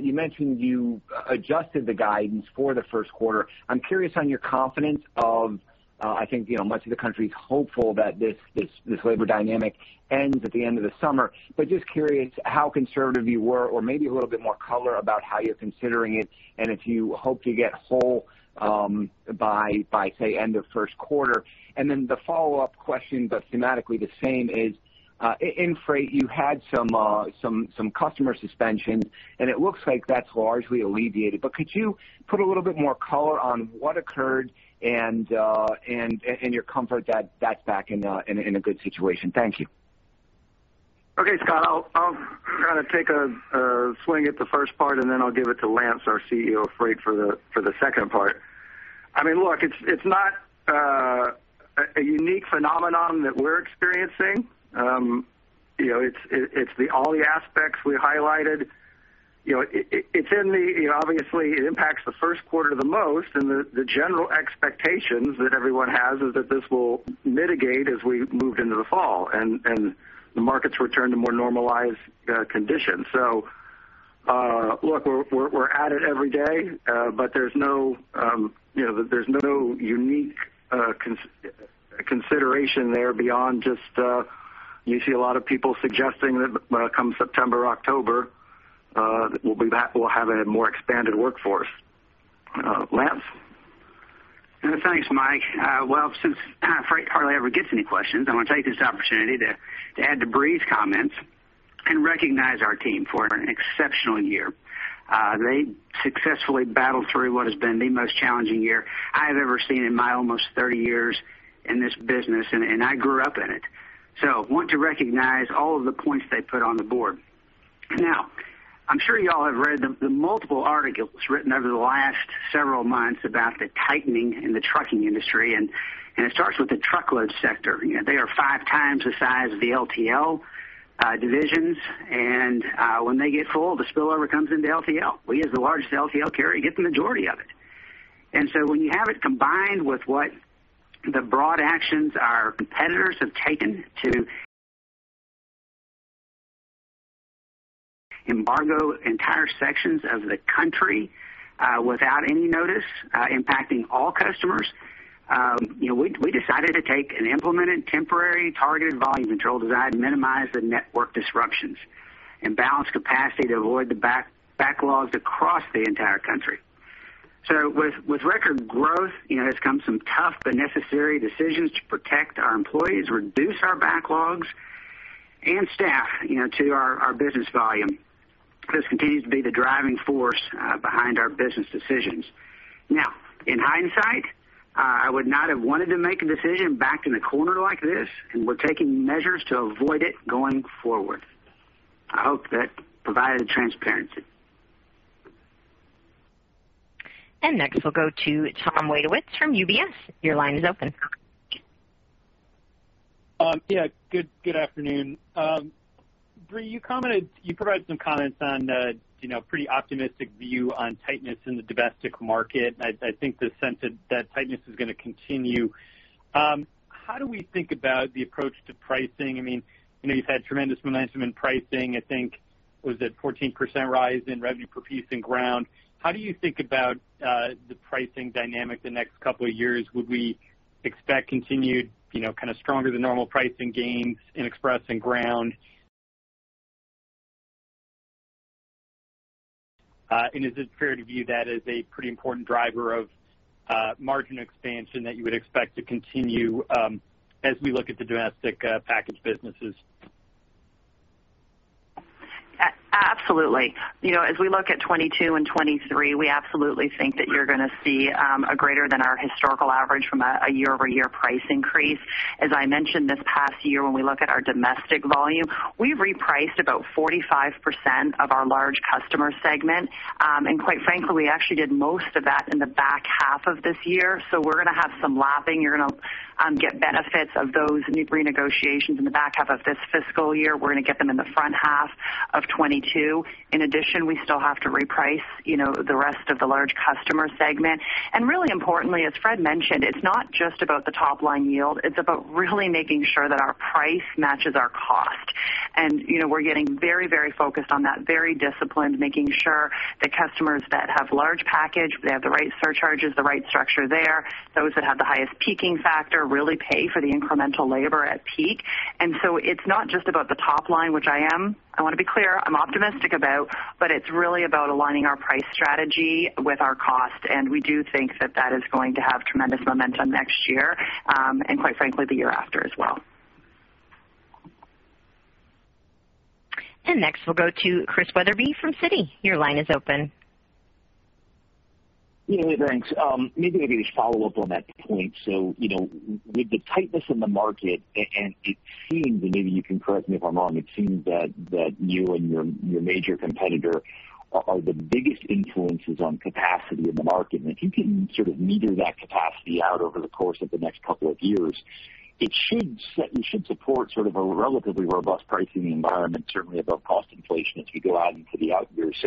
You mentioned you adjusted the guidance for the first quarter. I'm curious on your confidence of much of the country is hopeful that this labor dynamic ends at the end of the summer. Just curious how conservative you were or maybe a little bit more color about how you're considering it and if you hope to get whole by, say, end of first quarter. The follow-up question, thematically the same is, in Freight, you had some customer suspension, and it looks like that's largely alleviated. Could you put a little bit more color on what occurred and your comfort that that's back in a good situation? Thank you. Okay, Scott, I'll take a swing at the first part, then I'll give it to Lance, our CEO of Freight, for the second part. Look, it's not a unique phenomenon that we're experiencing. It's all the aspects we highlighted. Obviously, it impacts the first quarter the most, the general expectations that everyone has is that this will mitigate as we move into the fall, the markets return to more normalized conditions. Look, we're at it every day. There's no unique consideration there beyond just, you see a lot of people suggesting that come September, October, we'll be back. We'll have a more expanded workforce. Lance? Thanks, Mike. Well, since Freight hardly ever gets any questions, I want to take this opportunity to add to Brie's comments and recognize our team for an exceptional year. They successfully battled through what has been the most challenging year I've ever seen in my almost 30 years in this business, and I grew up in it. Want to recognize all of the points they put on the board. Now, I'm sure you all have read the multiple articles written over the last several months about the tightening in the trucking industry, and it starts with the truckload sector. They are five times the size of the LTL divisions, and when they get full, the spillover comes into LTL. We, as the largest LTL carrier, get the majority of it. When you have it combined with what the broad actions our competitors have taken to embargo entire sections of the country without any notice, impacting all customers, we decided to take and implement a temporary targeted volume control designed to minimize the network disruptions and balance capacity to avoid the backlogs across the entire country. With record growth, there's come some tough but necessary decisions to protect our employees, reduce our backlogs, and staff to our business volume. This continues to be the driving force behind our business decisions. In hindsight, I would not have wanted to make a decision backed into a corner like this, and we're taking measures to avoid it going forward. I hope that provided transparency. Next, we'll go to Tom Wadewitz from UBS. Your line is open. Good afternoon. Brie, you provided some comments on a pretty optimistic view on tightness in the domestic market. I think the sense that tightness is going to continue. How do we think about the approach to pricing? You've had tremendous momentum in pricing. I think it was a 14% rise in revenue per piece in Ground. How do you think about the pricing dynamic the next couple of years? Would we expect continued, kind of stronger than normal pricing gains in Express and Ground? Is it fair to view that as a pretty important driver of margin expansion that you would expect to continue as we look at the domestic package businesses? Absolutely. As we look at 2022 and 2023, we absolutely think that you're going to see a greater than our historical average from a year-over-year price increase. As I mentioned this past year, when we look at our domestic volume, we repriced about 45% of our large customer segment. Quite frankly, we actually did most of that in the back half of this year. We're going to have some lapping. You're going to get benefits of those new renegotiations in the back half of this fiscal year. We're going to get them in the front half of 2022. In addition, we still have to reprice the rest of the large customer segment. Really importantly, as Fred mentioned, it's not just about the top-line yield. It's about really making sure that our price matches our cost. We're getting very focused on that, very disciplined, making sure the customers that have large package, we have the right surcharges, the right structure there. Those that have the highest peaking factor really pay for the incremental labor at peak. It's not just about the top line, which I want to be clear I'm optimistic about, but it's really about aligning our price strategy with our cost, and we do think that that is going to have tremendous momentum next year, and quite frankly, the year after as well. Next, we'll go to Chris Wetherbee from Citi. Your line is open. Yeah. Thanks. Maybe to follow up on that point. With the tightness in the market, and it seems, and maybe you can correct me if I'm wrong, it seems that you and your major competitor are the biggest influences on capacity in the market. If you can sort of meter that capacity out over the course of the next couple of years, it should support sort of a relatively robust pricing environment, certainly above cost inflation as we go out into the out years.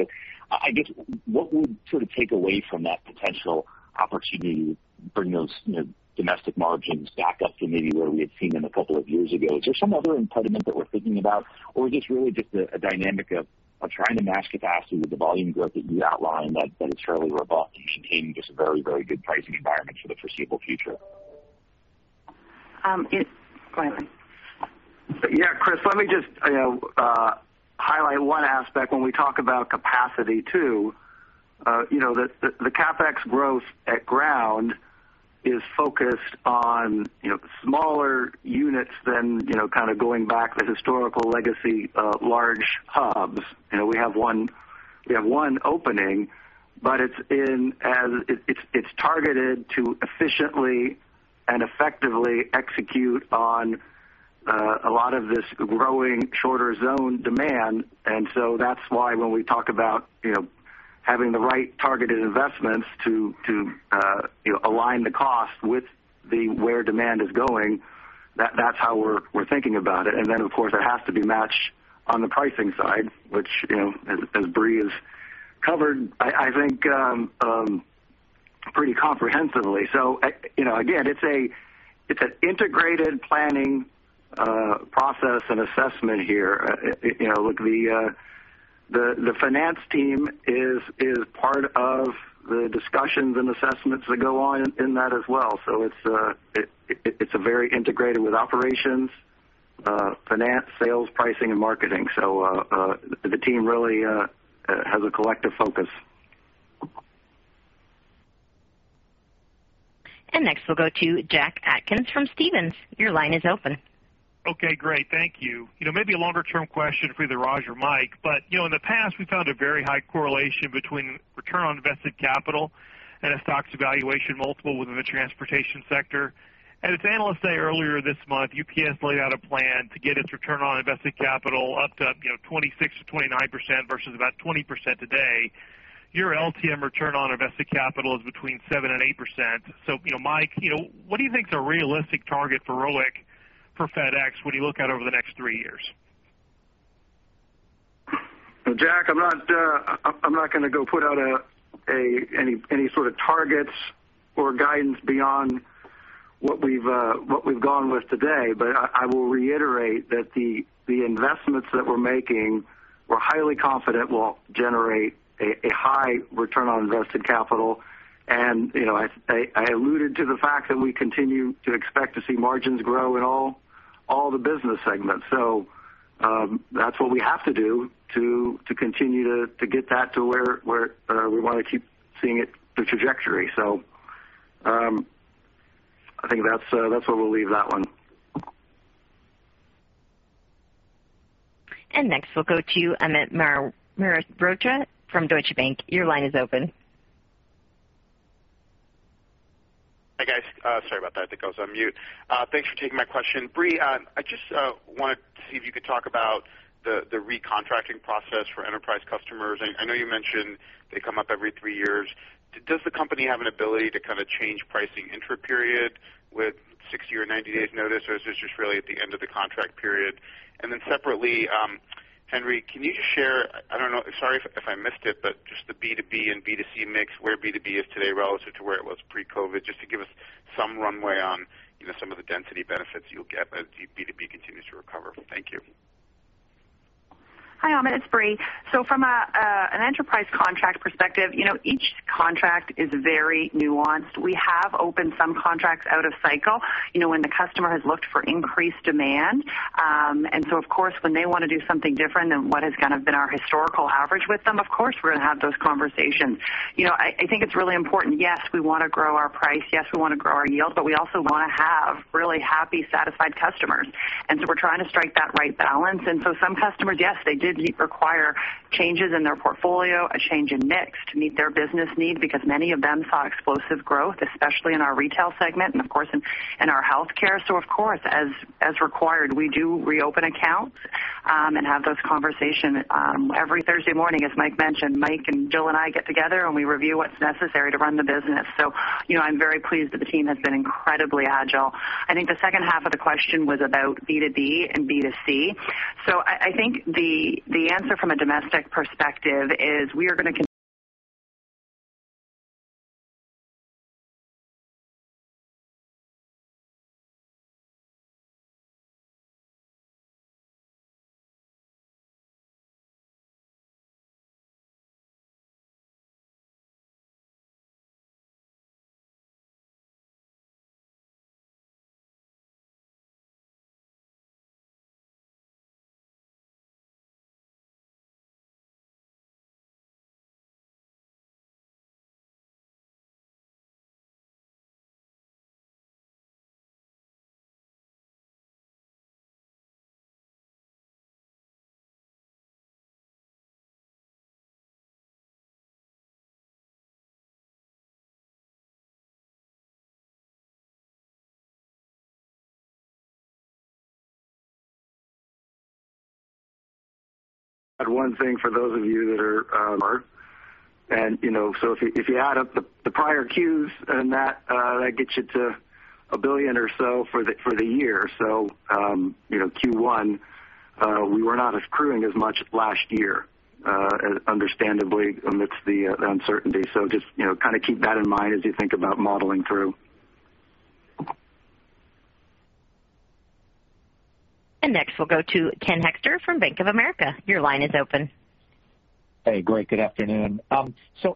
I guess what we'll sort of take away from that potential opportunity to bring those domestic margins back up to maybe where we had seen them a couple of years ago. Is there some other impediment that we're thinking about, or just really just a dynamic of trying to match capacity with the volume growth that you outlined that is fairly robust, and you should maintain just a very, very good pricing environment for the foreseeable future? Go ahead. Chris, let me just highlight one aspect when we talk about capacity too. The CapEx growth at Ground is focused on smaller units than kind of going back to historical legacy large hubs. We have one opening, but it's targeted to efficiently and effectively execute on a lot of this growing shorter zone demand. That's why when we talk about having the right targeted investments to align the cost with where demand is going, that's how we're thinking about it. Then, of course, that has to be matched on the pricing side, which as Brie has covered, I think, pretty comprehensively. Again, it's an integrated planning process and assessment here. Look, the finance team is part of the discussions and assessments that go on in that as well. It's very integrated with operations, finance, sales, pricing, and marketing. The team really has a collective focus. Next, we'll go to Jack Atkins from Stephens. Your line is open. Okay, great. Thank you. Maybe a longer-term question for either Raj or Mike. In the past, we found a very high correlation between return on invested capital and a stock's valuation multiple within the transportation sector. As analysts say earlier this month, UPS laid out a plan to get its return on invested capital up to 26%, 29% versus about 20% today. Your LTM return on invested capital is between 7% and 8%. Mike, what do you think is a realistic target for ROIC for FedEx when you look out over the next three years? Jack, I'm not going to go put out any sort of targets or guidance beyond what we've gone with today. I will reiterate that the investments that we're making, we're highly confident will generate a high return on invested capital. I alluded to the fact that we continue to expect to see margins grow in all the business segments. That's what we have to do to continue to get that to where we want to keep seeing the trajectory. I think that's where we'll leave that one. Next, we'll go to Amit Mehrotra, from Deutsche Bank. Your line is open. Hi, guys. Sorry about that. I think I was on mute. Thanks for taking my question. Brie, I just want to see if you could talk about the recontracting process for enterprise customers. I know you mentioned they come up every three years. Does the company have an ability to change pricing intraperiod with 60 or 90 days notice, or is this just really at the end of the contract period? Separately, Henry, can you share, I don't know, sorry if I missed it, but just the B2B and B2C mix, where B2B is today relative to where it was pre-COVID, just to give us some runway on some of the density benefits you'll get as B2B continues to recover. Thank you. Hi, Amit. It's Brie. From an enterprise contract perspective, each contract is very nuanced. We have opened some contracts out of cycle, when the customer has looked for increased demand. Of course, when they want to do something different than what has been our historical average with them, of course, we're going to have those conversations. I think it's really important. Yes, we want to grow our price. Yes, we want to grow our yield, but we also want to have really happy, satisfied customers. We're trying to strike that right balance. Some customers, yes, they did require changes in their portfolio, a change in mix to meet their business need because many of them saw explosive growth, especially in our retail segment and, of course, in our healthcare. Of course, as required, we do reopen accounts, and have those conversations. Every Thursday morning, as Mike mentioned, Mike and Jill and I get together and we review what's necessary to run the business. I'm very pleased that the team has been incredibly agile. I think the second half of the question was about B2B and B2C. I think the answer from a domestic perspective is we are going to continue- If you add up the prior Qs and that gets you to $1 billion or so for the year. Q1, we were not accruing as much last year, understandably, amidst the uncertainty. Just keep that in mind as you think about modeling through. Next, we'll go to Ken Hoexter from Bank of America. Your line is open. Hey, great. Good afternoon.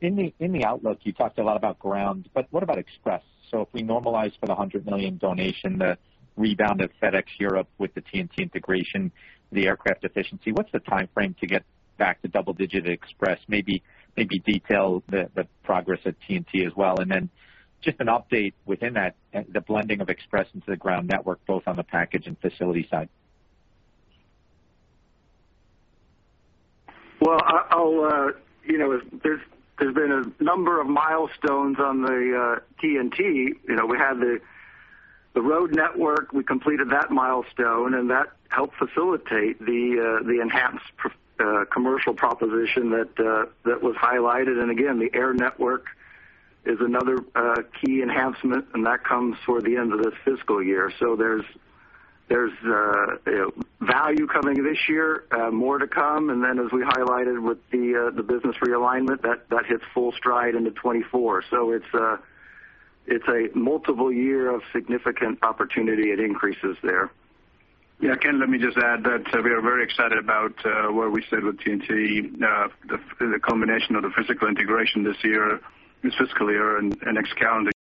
In the outlook, you talked a lot about Ground, but what about Express? If we normalize for the $100 million donation, the rebound of FedEx Europe with the TNT integration, the aircraft efficiency, what's the timeframe to get back to double-digit Express? Maybe detail the progress of TNT as well, and then just an update within that, the blending of Express into the Ground network, both on the package and facility side. Well, there's been a number of milestones on the TNT. We had the road network. We completed that milestone, and that helped facilitate the enhanced commercial proposition that was highlighted. Again, the air network is another key enhancement, and that comes toward the end of this fiscal year. There's value coming this year, more to come, and then as we highlighted with the business realignment, that hits full stride into 2024. It's a multiple year of significant opportunity. It increases there. Yeah, Ken, let me just add that we are very excited about where we sit with TNT. The combination of the physical integration this year, this fiscal year and next calendar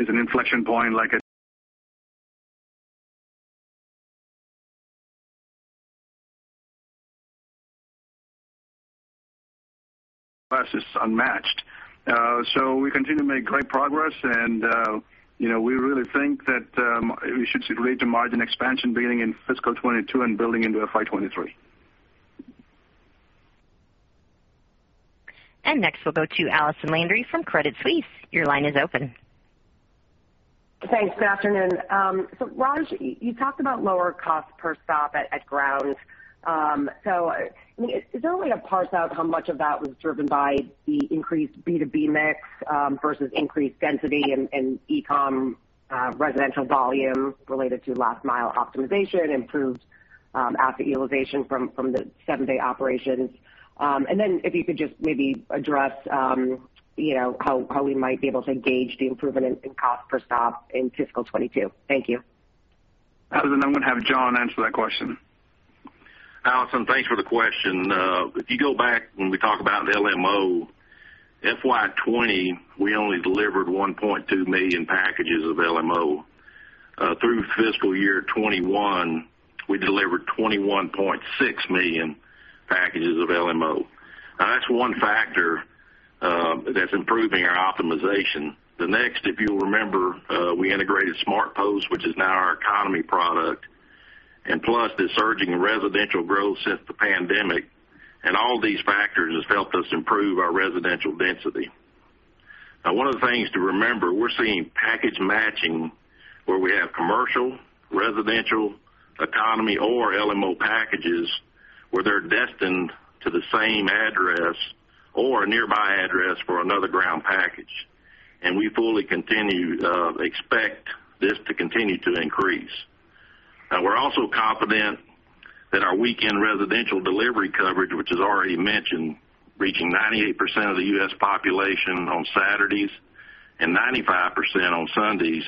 year is an inflection point like a- class is unmatched. We continue to make great progress and we really think that we should see margin expansion beginning in fiscal 2022 and building into FY 2023. Next, we'll go to Allison Landry from Credit Suisse. Your line is open. Thanks. Good afternoon. Raj, you talked about lower cost per stop at Ground. Is there a way to parse out how much of that was driven by the increased B2B mix versus increased density and e-com residential volume related to last mile optimization, improved asset utilization from the seven-day operations? If you could just maybe address how we might be able to gauge the improvement in cost per stop in fiscal 2022. Thank you. Allison, I'm going to have John answer that question. Allison, thanks for the question. If you go back when we talk about LMO, FY 2020, we only delivered 1.2 million packages of LMO. Through fiscal year 2021, we delivered 21.6 million packages of LMO. That's one factor that's improving our optimization. The next, if you'll remember, we integrated SmartPost, which is now our Economy product, and plus the surging residential growth since the pandemic, and all these factors has helped us improve our residential density. One of the things to remember, we're seeing package matching where we have commercial, residential, economy, or LMO packages where they're destined to the same address or a nearby address for another Ground package, and we fully expect this to continue to increase. We're also confident that our weekend residential delivery coverage, which is already mentioned, reaching 98% of the U.S. population on Saturdays and 95% on Sundays,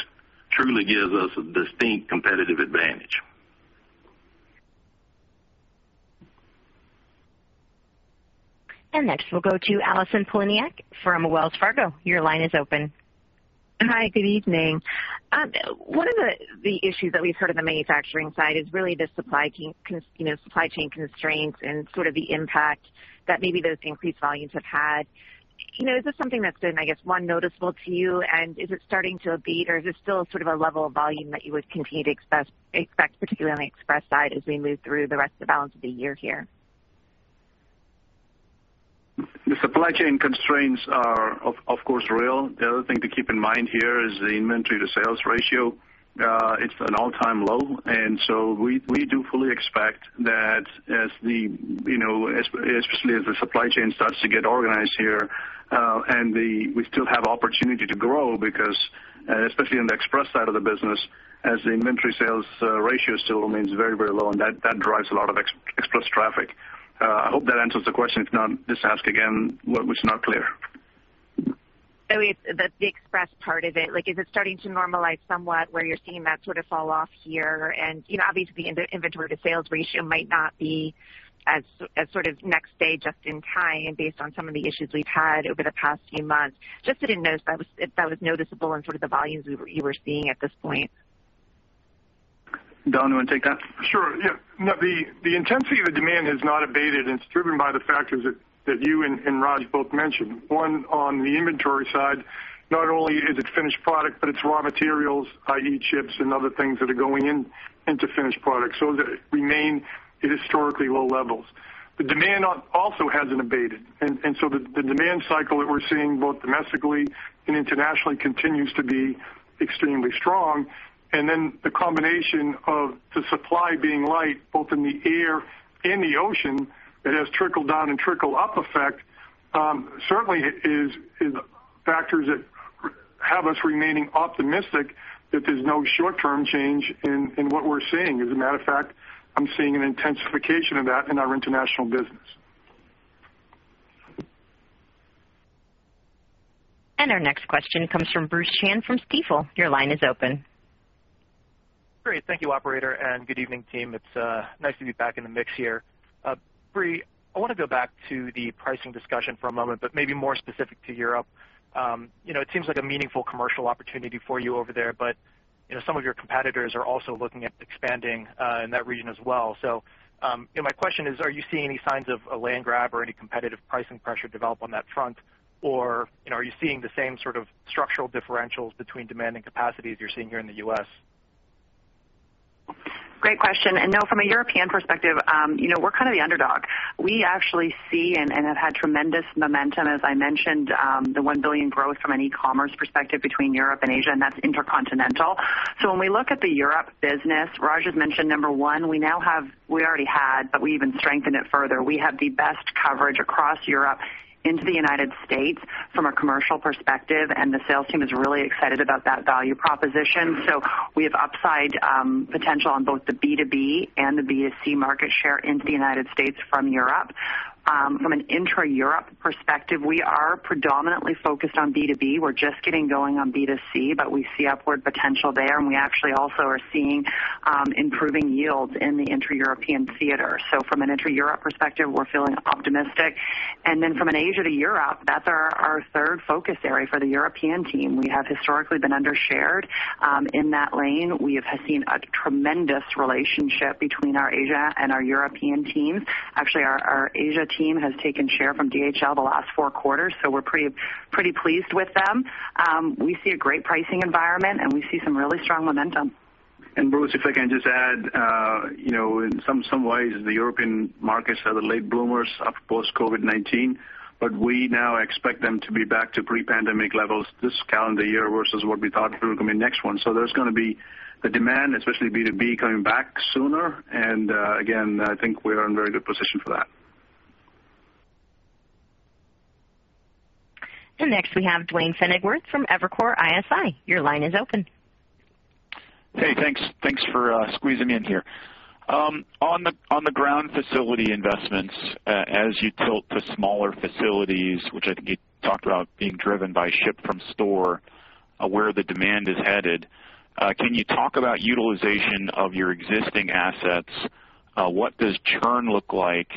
truly gives us a distinct competitive advantage. Next, we'll go to Allison Poliniak from Wells Fargo. Your line is open. Hi, good evening. One of the issues that we've heard on the manufacturing side is really the supply chain constraints and sort of the impact that maybe those increased volumes have had. Is this something that's been, I guess, one, noticeable to you, and is it starting to abate or is it still sort of a level of volume that you would continue to expect, particularly on the Express side as we move through the rest of the balance of the year here? The supply chain constraints are, of course, real. The other thing to keep in mind here is the inventory to sales ratio. It's an all-time low. We do fully expect that especially as the supply chain starts to get organized here and we still have opportunity to grow because especially on the Express side of the business, as the inventory sales ratio still remains very, very low, and that drives a lot of Express traffic. I hope that answers the question. If not, just ask again what was not clear. The Express part of it, is it starting to normalize somewhat where you're seeing that sort of fall off here and obviously the inventory to sales ratio might not be as sort of next day just-in-time based on some of the issues we've had over the past few months, just if that was noticeable in sort of the volumes that you were seeing at this point? Don, you want to take that? Sure. Yeah. No, the intensity of the demand has not abated and it's driven by the factors that you and Raj both mentioned. One, on the inventory side, not only is it finished product. It's raw materials, i.e. chips and other things that are going into finished product. They remain at historically low levels. The demand also hasn't abated. The demand cycle that we're seeing both domestically and internationally continues to be extremely strong. The combination of the supply being light both in the air and the ocean, it has trickle-down and trickle-up effect. Certainly it is factors that have us remaining optimistic that there's no short-term change in what we're seeing. As a matter of fact, I'm seeing an intensification of that in our international business. Our next question comes from Bruce Chan from Stifel. Your line is open. Great. Thank you, operator. Good evening team. It's nice to be back in the mix here. Brie, I want to go back to the pricing discussion for a moment, maybe more specific to Europe. It seems like a meaningful commercial opportunity for you over there, some of your competitors are also looking at expanding in that region as well. My question is, are you seeing any signs of a land grab or any competitive pricing pressure develop on that front? Are you seeing the same sort of structural differentials between demand and capacity as you're seeing here in the U.S.? Great question. Now from a European perspective, we're kind of the underdog. We actually see and have had tremendous momentum, as I mentioned, the $1 billion growth from an e-commerce perspective between Europe and Asia, and that's intercontinental. When we look at the Europe business, Raj has mentioned number one, we already had, but we even strengthened it further. We have the best coverage across Europe into the United States from a commercial perspective, and the sales team is really excited about that value proposition. We have upside potential on both the B2B and the B2C market share into the United States from Europe. From an intra-Europe perspective, we are predominantly focused on B2B. We're just getting going on B2C, but we see upward potential there, and we actually also are seeing improving yields in the intra-European theater. From an intra-Europe perspective, we're feeling optimistic. From an Asia to Europe, that's our third focus area for the European team. We have historically been under-shared in that lane. We have seen a tremendous relationship between our Asia and our European teams. Actually, our Asia team has taken share from DHL the last four quarters, so we're pretty pleased with them. We see a great pricing environment, and we see some really strong momentum. Bruce, if I can just add, in some ways, the European markets are the late bloomers post-COVID-19. We now expect them to be back to pre-pandemic levels this calendar year versus what we thought through coming next one. There's going to be the demand, especially B2B, coming back sooner, and again, I think we are in a very good position for that. Next we have Duane Pfennigwerth from Evercore ISI. Your line is open. Hey, thanks for squeezing me in here. On the Ground facility investments, as you tilt to smaller facilities, which I think you talked about being driven by ship from store, where the demand is headed. Can you talk about utilization of your existing assets? What does churn look like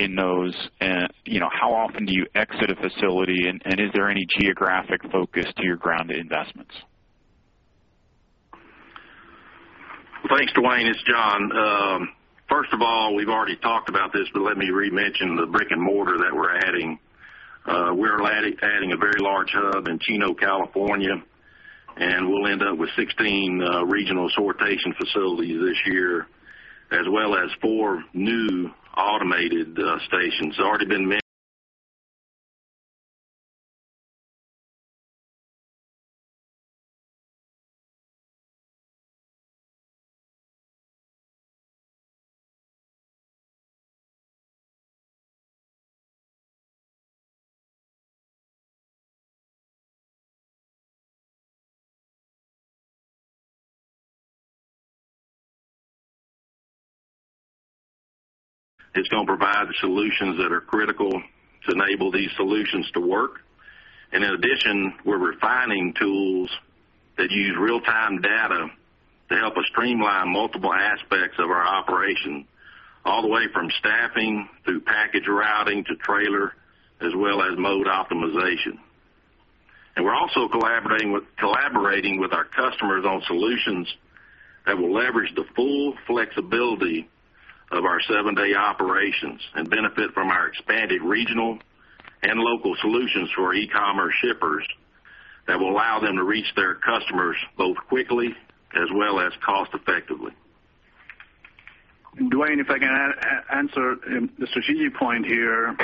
in those? How often do you exit a facility, and is there any geographic focus to your Ground investments? Thanks, Duane. It's John. First of all, we've already talked about this, but let me re-mention the brick and mortar that we're adding. We're adding a very large hub in Chino, California, and we'll end up with 16 regional sortation facilities this year, as well as four new automated stations. It's going to provide solutions that are critical to enable these solutions to work. In addition, we're refining tools that use real-time data to help us streamline multiple aspects of our operation, all the way from staffing through package routing to trailer, as well as mode optimization. We're also collaborating with our customers on solutions that will leverage the full flexibility of our seven-day operations and benefit from our expanded regional and local solutions for e-commerce shippers that will allow them to reach their customers both quickly as well as cost effectively. Duane, if I can answer the strategic point here.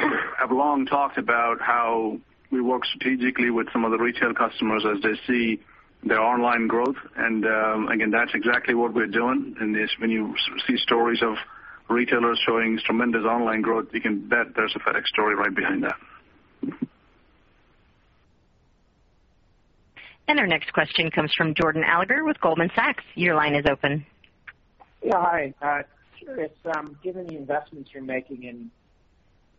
I've long talked about how we work strategically with some of the retail customers as they see their online growth, again, that's exactly what we're doing. When you see stories of retailers showing tremendous online growth, you can bet there's a FedEx story right behind that. Our next question comes from Jordan Alliger with Goldman Sachs. Yeah, hi. Given the investments you are making in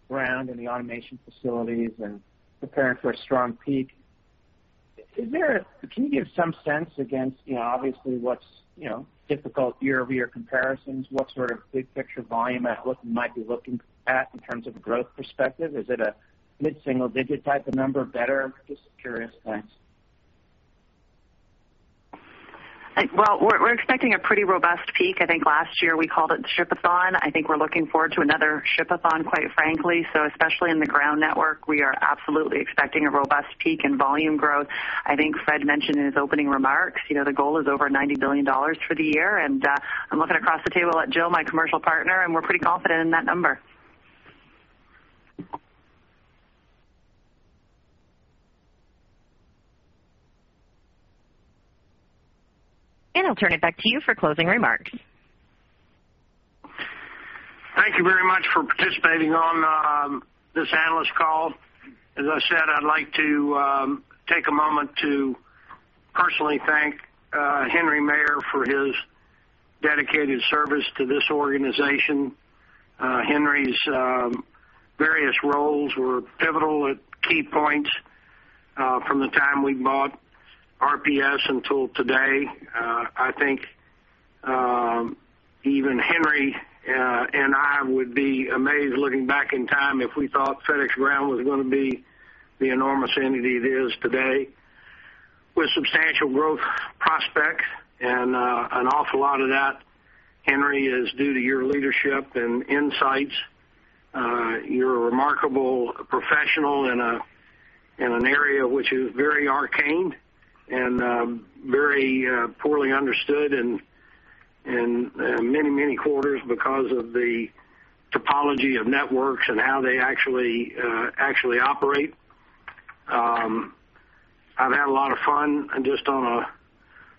Ground and the automation facilities and preparing for a strong peak, can you give some sense against obviously what is difficult year-over-year comparisons, what sort of big picture volume outlook you might be looking at in terms of growth perspective? Is it a mid-single-digit type of number, better? Just curious. Thanks. Well, we're expecting a pretty robust peak. I think last year we called it Shipathon. I think we're looking forward to another Shipathon, quite frankly. Especially in the Ground network, we are absolutely expecting a robust peak in volume growth. I think Fred mentioned in his opening remarks, the goal is over $90 billion for the year, and I'm looking across the table at Jill, my commercial partner, and we're pretty confident in that number. I'll turn it back to you for closing remarks. Thank you very much for participating on this analyst call. As I said, I'd like to take a moment to personally thank Henry Maier for his dedicated service to this organization. Henry's various roles were pivotal at key points from the time we bought RPS until today. I think even Henry and I would be amazed looking back in time if we thought FedEx Ground was going to be the enormous entity it is today with substantial growth prospects, and an awful lot of that, Henry, is due to your leadership and insights. You're a remarkable professional in an area which is very arcane and very poorly understood in many corners because of the topology of networks and how they actually operate. I've had a lot of fun just on a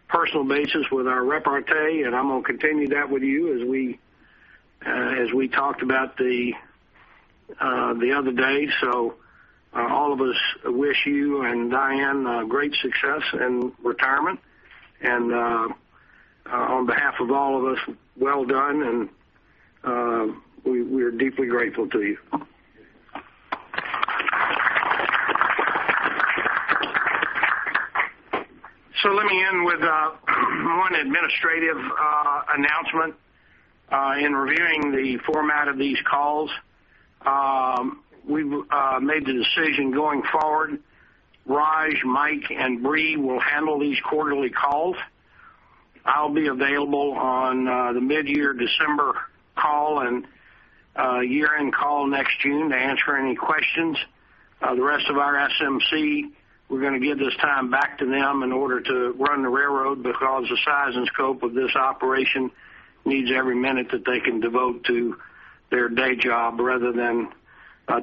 personal basis with our repartee, and I'm going to continue that with you as we talked about the other day. All of us wish you and Diane great success in retirement, and on behalf of all of us, well done, and we are deeply grateful to you. Let me end with one administrative announcement. In reviewing the format of these calls, we've made the decision going forward, Raj, Mike, and Brie will handle these quarterly calls. I'll be available on the mid-year December call and year-end call next June to answer any questions. The rest of our SMC, we're going to give this time back to them in order to run the railroad because the size and scope of this operation needs every minute that they can devote to their day job rather than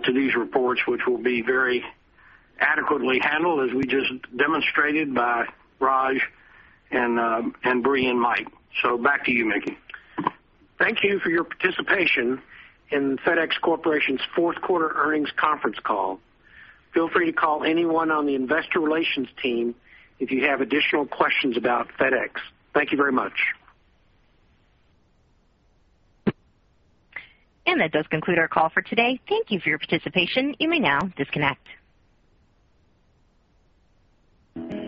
to these reports, which will be very adequately handled as we just demonstrated by Raj and Brie and Mike. Back to you, Mickey. Thank you for your participation in FedEx Corporation's fourth quarter earnings conference call. Feel free to call anyone on the Investor Relations team if you have additional questions about FedEx. Thank you very much. That does conclude our call for today. Thank you for your participation. You may now disconnect.